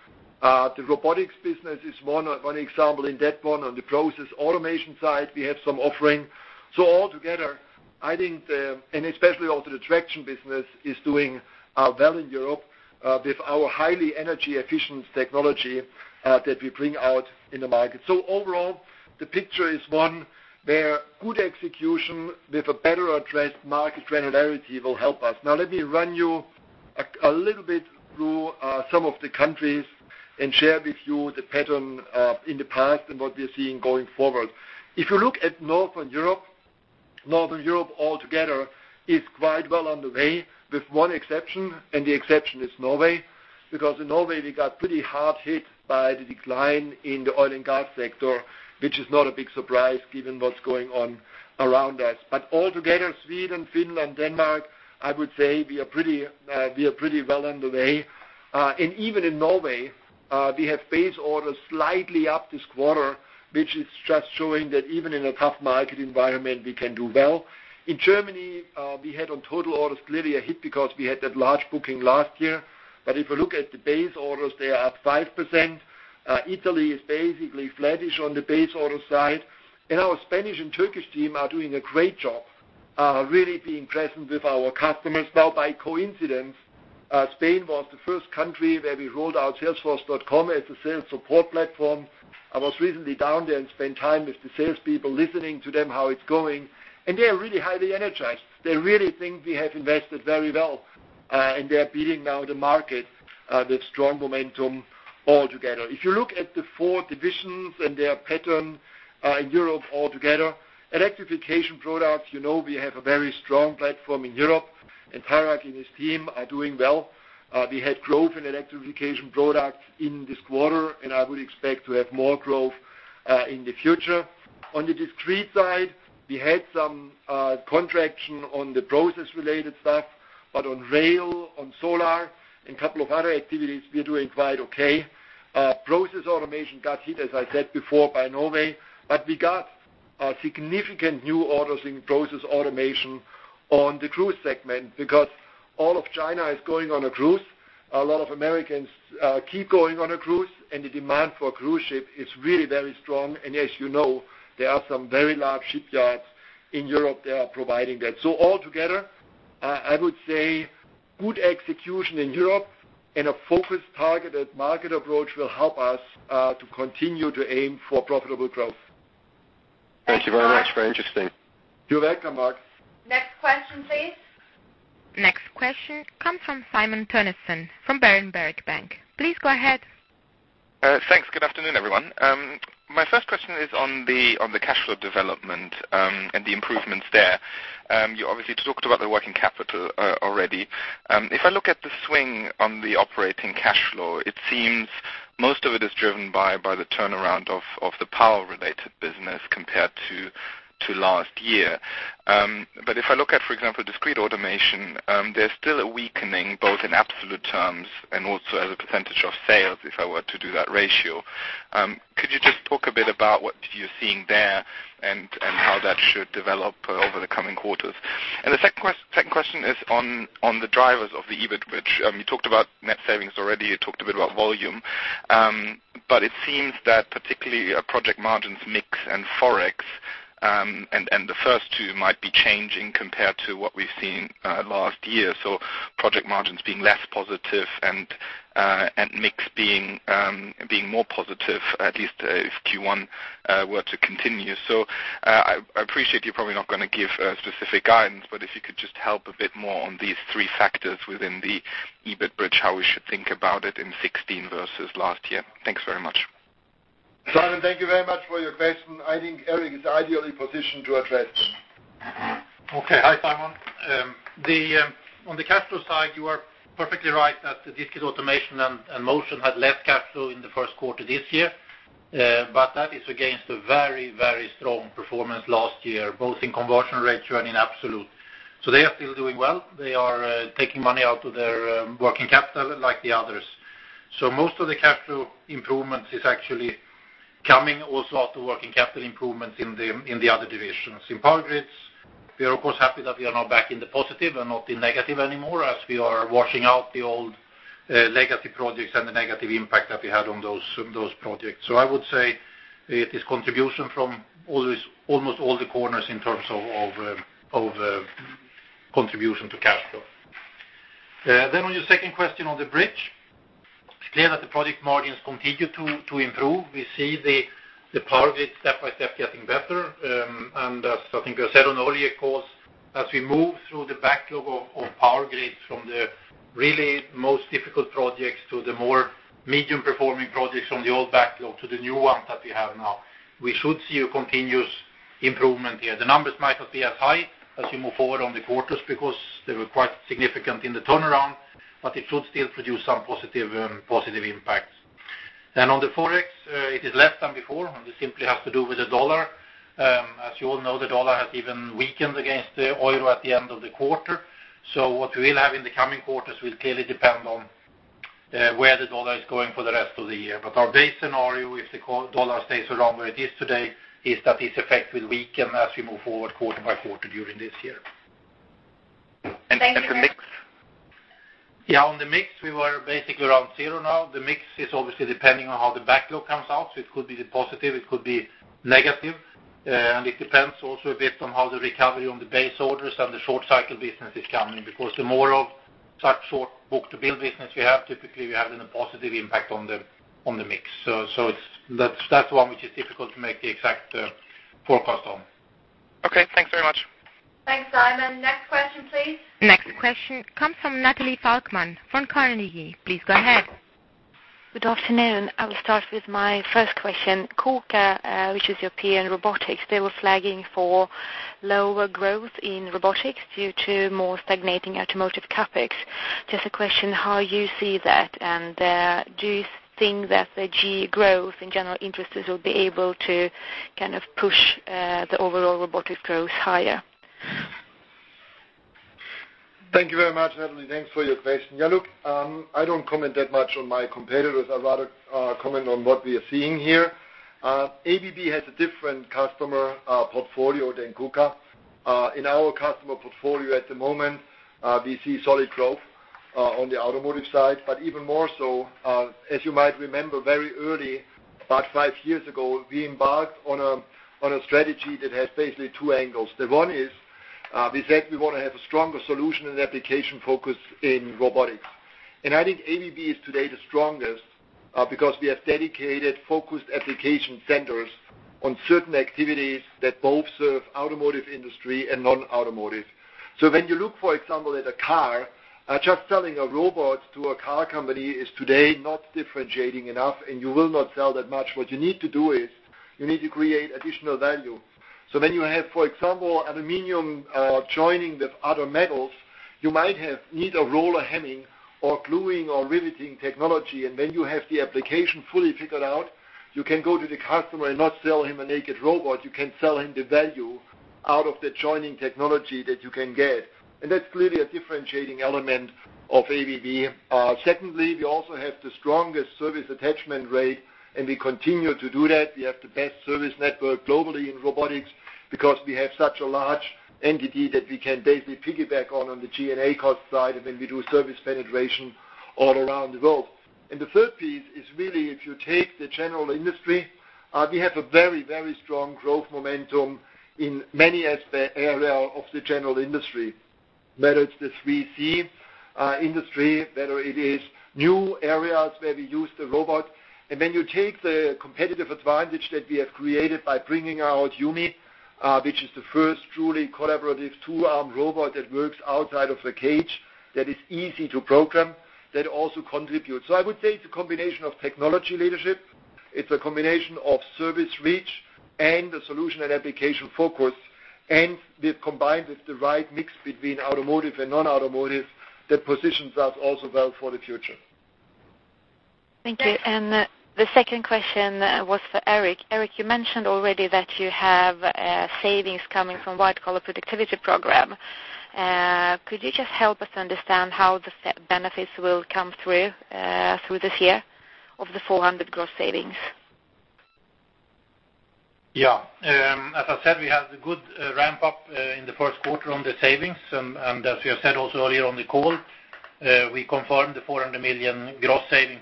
The robotics business is one example in that one. On the process automation side, we have some offering. Altogether, and especially also the traction business is doing well in Europe with our highly energy-efficient technology that we bring out in the market. Overall, the picture is one where good execution with a better addressed market granularity will help us. Let me run you a little bit through some of the countries and share with you the pattern in the past and what we're seeing going forward. If you look at Northern Europe, Northern Europe altogether is quite well underway with one exception, and the exception is Norway. In Norway, we got pretty hard hit by the decline in the oil and gas sector, which is not a big surprise given what's going on around us. Altogether, Sweden, Finland, Denmark, I would say we are pretty well underway. Even in Norway, we have base orders slightly up this quarter, which is just showing that even in a tough market environment, we can do well. In Germany, we had on total orders clearly a hit because we had that large booking last year. If you look at the base orders, they are up 5%. Italy is basically flattish on the base order side. Our Spanish and Turkish team are doing a great job, really being present with our customers. By coincidence, Spain was the first country where we rolled out salesforce.com as a sales support platform. I was recently down there and spent time with the salespeople, listening to them, how it's going, and they are really highly energized. They really think we have invested very well, and they are beating now the market with strong momentum altogether. If you look at the four divisions and their pattern in Europe altogether, Electrification Products, you know we have a very strong platform in Europe, and Tarak Mehta and his team are doing well. We had growth in Electrification Products in this quarter, and I would expect to have more growth in the future. On the discrete side, we had some contraction on the process-related stuff, but on rail, on solar, and couple of other activities, we are doing quite okay. Process Automation got hit, as I said before, by Norway, but we got significant new orders in Process Automation on the cruise segment because all of China is going on a cruise. A lot of Americans keep going on a cruise, and the demand for cruise ship is really very strong. As you know, there are some very large shipyards in Europe that are providing that. Altogether, I would say good execution in Europe and a focused, targeted market approach will help us to continue to aim for profitable growth. Thank you very much. Very interesting. You're welcome, Mark. Next question, please. Next question comes from Simon Toennessen from Berenberg Bank. Please go ahead. Thanks. Good afternoon, everyone. My first question is on the cash flow development, and the improvements there. You obviously talked about the working capital already. If I look at the swing on the operating cash flow, it seems most of it is driven by the turnaround of the power-related business compared to last year. If I look at, for example, Discrete Automation, there's still a weakening, both in absolute terms and also as a % of sales, if I were to do that ratio. Could you just talk a bit about what you're seeing there and how that should develop over the coming quarters? The second question is on the drivers of the EBIT bridge. You talked about net savings already. You talked a bit about volume. It seems that particularly project margins mix and Forex, the first two might be changing compared to what we've seen last year. Project margins being less positive and mix being more positive, at least if Q1 were to continue. I appreciate you're probably not going to give specific guidance, but if you could just help a bit more on these three factors within the EBIT bridge, how we should think about it in 2016 versus last year. Thanks very much. Simon, thank you very much for your question. I think Eric is ideally positioned to address this. Okay. Hi, Simon. On the cash flow side, you are perfectly right that the Discrete Automation and Motion had less cash flow in the first quarter this year, but that is against a very strong performance last year, both in conversion rates and in absolute. They are still doing well. They are taking money out of their working capital like the others. Most of the cash flow improvement is actually coming also out of working capital improvements in the other divisions. In Power Grids, we are of course happy that we are now back in the positive and not in negative anymore, as we are washing out the old legacy projects and the negative impact that we had on those projects. I would say it is contribution from almost all the corners in terms of contribution to cash flow. On your second question on the bridge, it's clear that the project margins continue to improve. We see the Power Grids step by step getting better. As I think we have said on earlier calls, as we move through the backlog of Power Grids from the really most difficult projects to the more medium-performing projects from the old backlog to the new ones that we have now, we should see a continuous improvement here. The numbers might not be as high as we move forward on the quarters because they were quite significant in the turnaround, but it should still produce some positive impacts. On the forex, it is less than before. This simply has to do with the dollar. As you all know, the dollar has even weakened against the euro at the end of the quarter. What we'll have in the coming quarters will clearly depend on where the dollar is going for the rest of the year. Our base scenario, if the dollar stays around where it is today, is that its effect will weaken as we move forward quarter by quarter during this year. The mix? Yeah, on the mix, we were basically around zero now. The mix is obviously depending on how the backlog comes out. It could be positive, it could be negative. It depends also a bit on how the recovery on the base orders and the short-cycle business is coming, because the more of such short book-to-bill business we have, typically, we have a positive impact on the mix. That's one which is difficult to make the exact forecast on. Okay, thanks very much. Thanks, Simon. Next question, please. Next question comes from Natalie Falkman from Carnegie. Please go ahead. Good afternoon. I will start with my first question. KUKA, which is your peer in robotics, they were flagging for lower growth in robotics due to more stagnating automotive CapEx. Just a question, how you see that, and do you think that the general growth in general interests will be able to kind of push the overall robotics growth higher? Thank you very much, Natalie. Thanks for your question. Yeah, look, I don't comment that much on my competitors. I'd rather comment on what we are seeing here. ABB has a different customer portfolio than KUKA. In our customer portfolio at the moment, we see solid growth on the automotive side, but even more so, as you might remember, very early, about five years ago, we embarked on a strategy that has basically two angles. The one is, we said we want to have a stronger solution and application focus in robotics. I think ABB is today the strongest because we have dedicated, focused application centers on certain activities that both serve automotive industry and non-automotive. When you look, for example, at a car, just selling a robot to a car company is today not differentiating enough, and you will not sell that much. What you need to do is, you need to create additional value. When you have, for example, aluminum joining with other metals, you might need a roll or hemming or gluing or riveting technology, and when you have the application fully figured out, you can go to the customer and not sell him a naked robot. You can sell him the value out of the joining technology that you can get. That's clearly a differentiating element of ABB. Secondly, we also have the strongest service attachment rate, and we continue to do that. We have the best service network globally in robotics because we have such a large entity that we can basically piggyback on the G&A cost side, and then we do service penetration all around the world. The third piece is really, if you take the general industry, we have a very strong growth momentum in many areas of the general industry, whether it's the 3C industry, whether it is new areas where we use the robot. When you take the competitive advantage that we have created by bringing out YuMi, which is the first truly collaborative two-armed robot that works outside of a cage, that is easy to program, that also contributes. I would say it's a combination of technology leadership, it's a combination of service reach, and the solution and application focus. We've combined with the right mix between automotive and non-automotive that positions us also well for the future. Thank you. The second question was for Eric. Eric, you mentioned already that you have savings coming from White Collar Productivity program. Could you just help us understand how the benefits will come through this year of the 400 gross savings? As I said, we had a good ramp-up in the first quarter on the savings. As we have said also earlier on the call, we confirmed the 400 million gross saving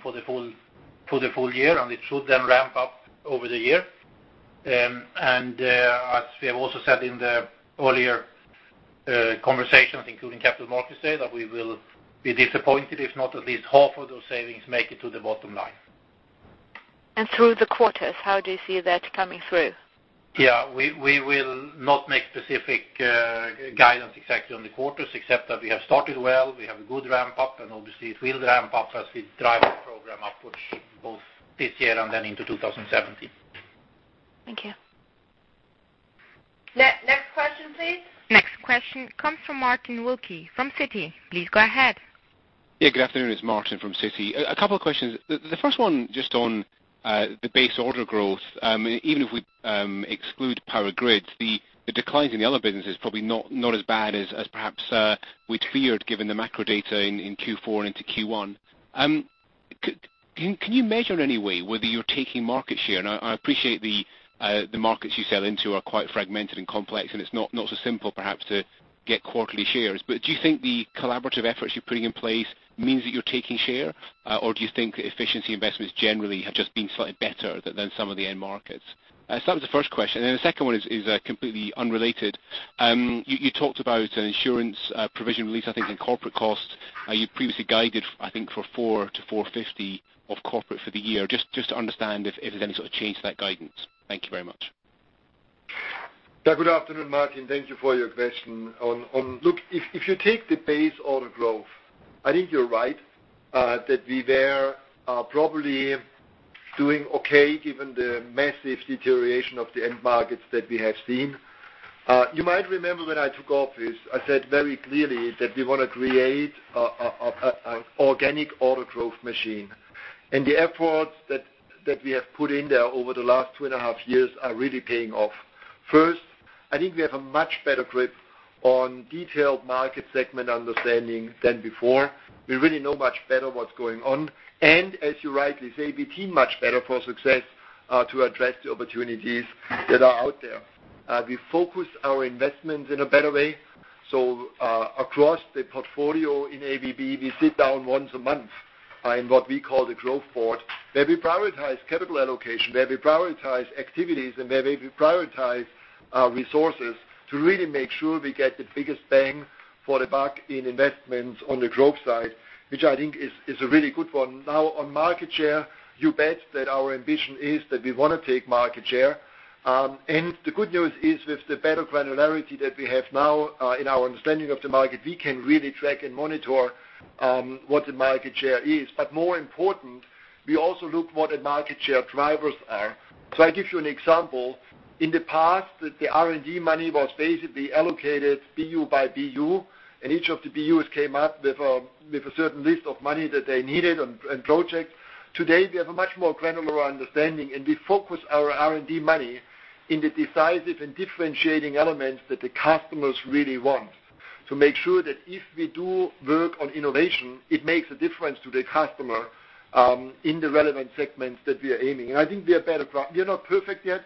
for the full year, and it should then ramp up over the year. As we have also said in the earlier conversations, including Capital Markets Day, that we will be disappointed if not at least half of those savings make it to the bottom line. Through the quarters, how do you see that coming through? Yeah. We will not make specific guidance exactly on the quarters, except that we have started well. We have a good ramp-up, obviously it will ramp up as we drive our program upwards both this year and then into 2017. Thank you. Next question, please. Next question comes from Martin Wilkie from Citi. Please go ahead. Good afternoon. It's Martin from Citi. A couple of questions. The first one on the base order growth. Even if we exclude power grids, the declines in the other business is probably not as bad as perhaps we'd feared, given the macro data in Q4 and into Q1. Can you measure any way whether you're taking market share? I appreciate the markets you sell into are quite fragmented and complex, and it's not so simple perhaps to get quarterly shares. Do you think the collaborative efforts you're putting in place means that you're taking share? Do you think efficiency investments generally have been slightly better than some of the end markets? That was the first question. The second one is completely unrelated. You talked about an insurance provision release, I think, in corporate costs. You previously guided, I think, for $400 million-$450 million of corporate for the year. To understand if there's any sort of change to that guidance. Thank you very much. Good afternoon, Martin. Thank you for your question. If you take the base order growth, I think you're right that we were probably doing okay given the massive deterioration of the end markets that we have seen. You might remember when I took office, I said very clearly that we want to create an organic order growth machine. The efforts that we have put in there over the last two and a half years are really paying off. First, I think we have a much better grip on detailed market segment understanding than before. We really know much better what's going on. As you rightly say, we team much better for success to address the opportunities that are out there. We focus our investments in a better way. Across the portfolio in ABB, we sit down once a month in what we call the growth board, where we prioritize capital allocation, where we prioritize activities, and where we prioritize our resources to really make sure we get the biggest bang for the buck in investments on the growth side, which I think is a really good one. On market share, you bet that our ambition is that we want to take market share. The good news is with the better granularity that we have now in our understanding of the market, we can really track and monitor what the market share is. More important, we also look what the market share drivers are. I give you an example. In the past, the R&D money was basically allocated BU by BU, and each of the BUs came up with a certain list of money that they needed and projects. Today, we have a much more granular understanding, and we focus our R&D money in the decisive and differentiating elements that the customers really want to make sure that if we do work on innovation, it makes a difference to the customer, in the relevant segments that we are aiming. I think we are better. We are not perfect yet,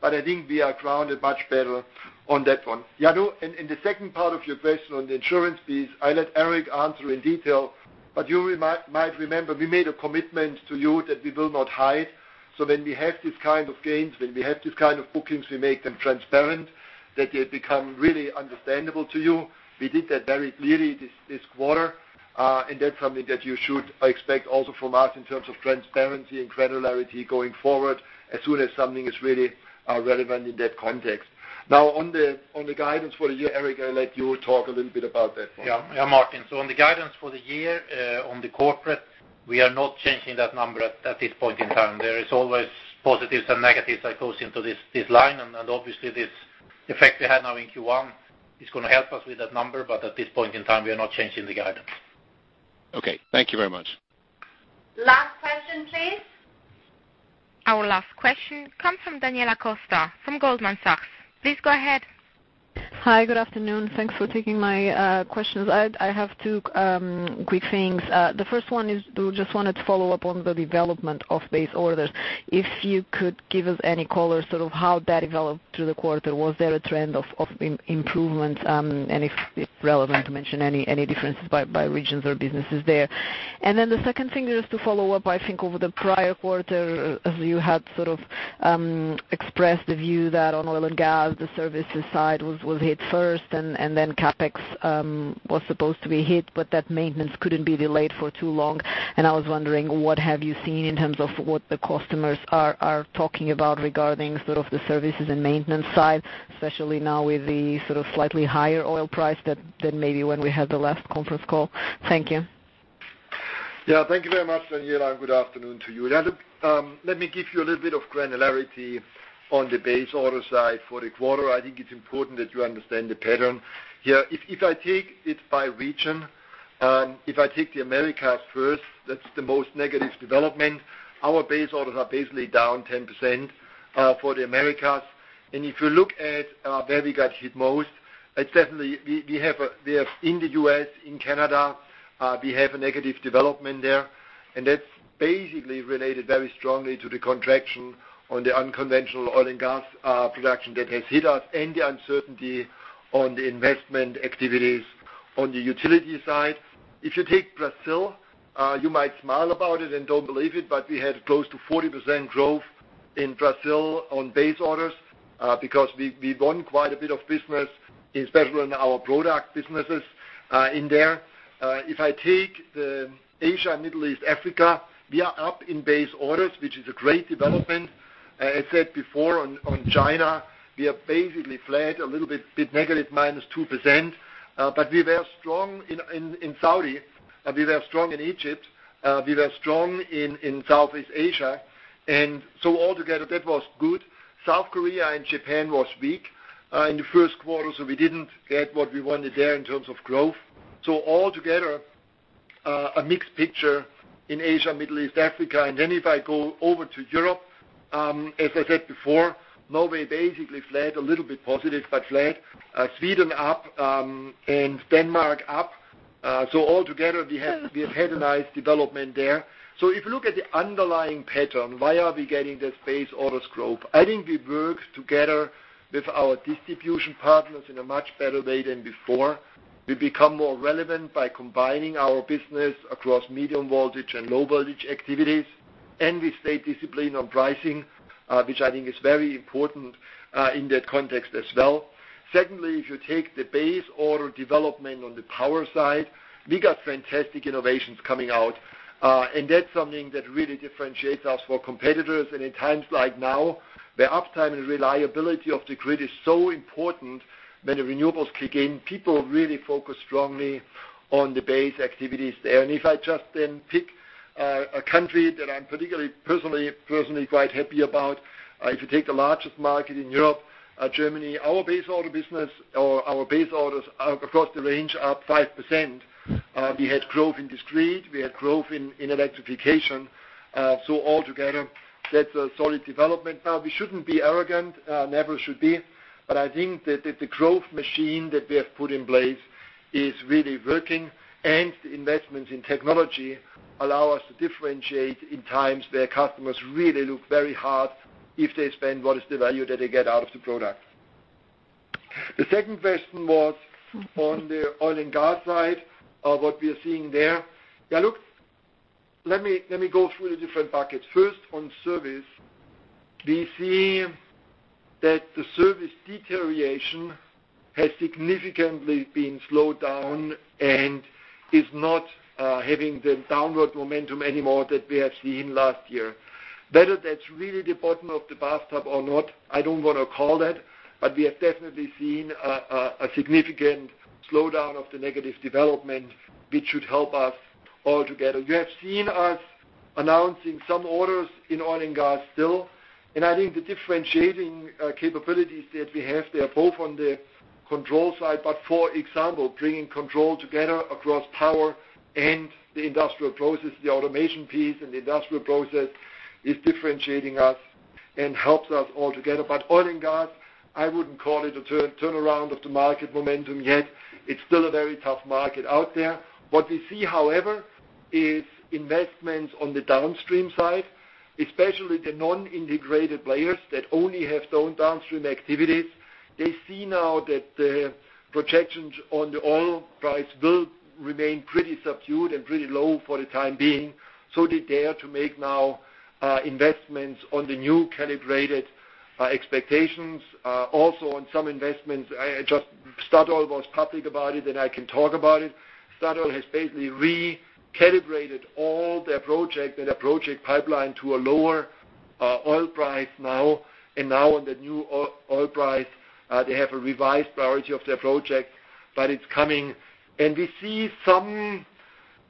but I think we are grounded much better on that one. The second part of your question on the insurance fees, I let Eric answer in detail, but you might remember we made a commitment to you that we will not hide. When we have these kind of gains, when we have these kind of bookings, we make them transparent, that they become really understandable to you. We did that very clearly this quarter. That's something that you should expect also from us in terms of transparency and granularity going forward as soon as something is really relevant in that context. Now, on the guidance for the year, Eric, I let you talk a little bit about that one. Yeah. Martin, on the guidance for the year on the corporate, we are not changing that number at this point in time. There is always positives and negatives that goes into this line, and obviously this effect we have now in Q1 is going to help us with that number. At this point in time, we are not changing the guidance. Okay. Thank you very much. Last question, please. Our last question comes from Daniela Costa from Goldman Sachs. Please go ahead. Hi. Good afternoon. Thanks for taking my questions. I have two quick things. The first one is just wanted to follow up on the development of base orders. If it's relevant to mention any differences by regions or businesses there. The second thing is to follow up, I think over the prior quarter, as you had sort of expressed the view that on oil and gas, the services side was hit first and then CapEx was supposed to be hit, but that maintenance couldn't be delayed for too long. I was wondering, what have you seen in terms of what the customers are talking about regarding sort of the services and maintenance side, especially now with the sort of slightly higher oil price than maybe when we had the last conference call. Thank you. Thank you very much, Daniela Costa, and good afternoon to you. Let me give you a little bit of granularity on the base order side for the quarter. I think it's important that you understand the pattern here. If I take it by region, if I take the Americas first, that's the most negative development. Our base orders are basically down 10% for the Americas. If you look at where we got hit most, it's definitely in the U.S., in Canada, we have a negative development there, and that's basically related very strongly to the contraction on the unconventional oil and gas production that has hit us and the uncertainty on the investment activities on the utility side. If you take Brazil, you might smile about it and don't believe it, we had close to 40% growth in Brazil on base orders because we won quite a bit of business, especially in our product businesses in there. If I take Asia, Middle East, Africa, we are up in base orders, which is a great development. As I said before on China, we are basically flat, a little bit negative, minus 2%. We were strong in Saudi, and we were strong in Egypt. We were strong in Southeast Asia. Altogether, that was good. South Korea and Japan was weak in the first quarter, so we didn't get what we wanted there in terms of growth. Altogether, a mixed picture in Asia, Middle East, Africa. If I go over to Europe, as I said before, Norway basically flat, a little bit positive, but flat. Sweden up, Denmark up. Altogether, we have had a nice development there. If you look at the underlying pattern, why are we getting this base orders growth? I think I work together with our distribution partners in a much better way than before. We become more relevant by combining our business across medium voltage and low voltage activities. We stay disciplined on pricing, which I think is very important in that context as well. Secondly, if you take the base order development on the power side, we got fantastic innovations coming out. That's something that really differentiates us for competitors. In times like now, where uptime and reliability of the grid is so important when the renewables kick in, people really focus strongly on the base activities there. If I just then pick a country that I'm particularly personally quite happy about, if you take the largest market in Europe, Germany, our base order business or our base orders across the range are up 5%. We had growth in Discrete, we had growth in Electrification. Altogether, that's a solid development. Now, we shouldn't be arrogant, never should be. I think that the growth machine that we have put in place is really working, and the investments in technology allow us to differentiate in times where customers really look very hard if they spend, what is the value that they get out of the product. The second question was on the oil and gas side, what we're seeing there. Yeah, look, let me go through the different buckets. First, on service, we see that the service deterioration has significantly been slowed down and is not having the downward momentum anymore that we have seen last year. Whether that's really the bottom of the bathtub or not, I don't want to call that, but we have definitely seen a significant slowdown of the negative development, which should help us altogether. You have seen us announcing some orders in oil and gas still, and I think the differentiating capabilities that we have there, both on the control side, but for example, bringing control together across power and the industrial process, the automation piece and the industrial process is differentiating us and helps us altogether. Oil and gas, I wouldn't call it a turnaround of the market momentum yet. It's still a very tough market out there. What we see, however, is investments on the downstream side, especially the non-integrated players that only have their own downstream activities. They see now that the projections on the oil price will remain pretty subdued and pretty low for the time being. They dare to make now investments on the new calibrated expectations. Also, on some investments, Statoil was public about it, and I can talk about it. Statoil has basically recalibrated all their project and their project pipeline to a lower oil price now. On the new oil price, they have a revised priority of their project, but it's coming. We see some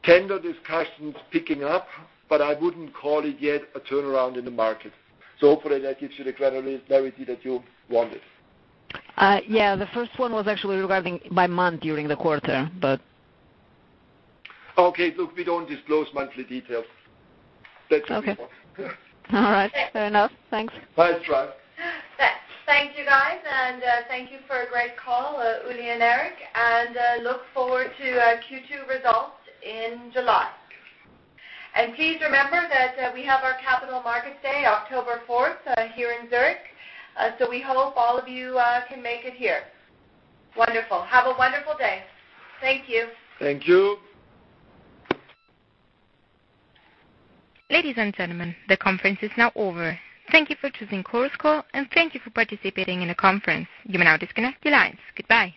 tender discussions picking up, but I wouldn't call it yet a turnaround in the market. Hopefully that gives you the clarity that you wanted. Yeah, the first one was actually regarding by month during the quarter. Okay, look, we don't disclose monthly details. That's how it was. Okay. All right. Fair enough. Thanks. Bye, Fran. Thank you, guys, and thank you for a great call, Uli and Eric, and look forward to Q2 results in July. Please remember that we have our Capital Markets Day October 4th here in Zurich. We hope all of you can make it here. Wonderful. Have a wonderful day. Thank you. Thank you. Ladies and gentlemen, the conference is now over. Thank you for choosing Chorus Call, and thank you for participating in the conference. You may now disconnect your lines. Goodbye.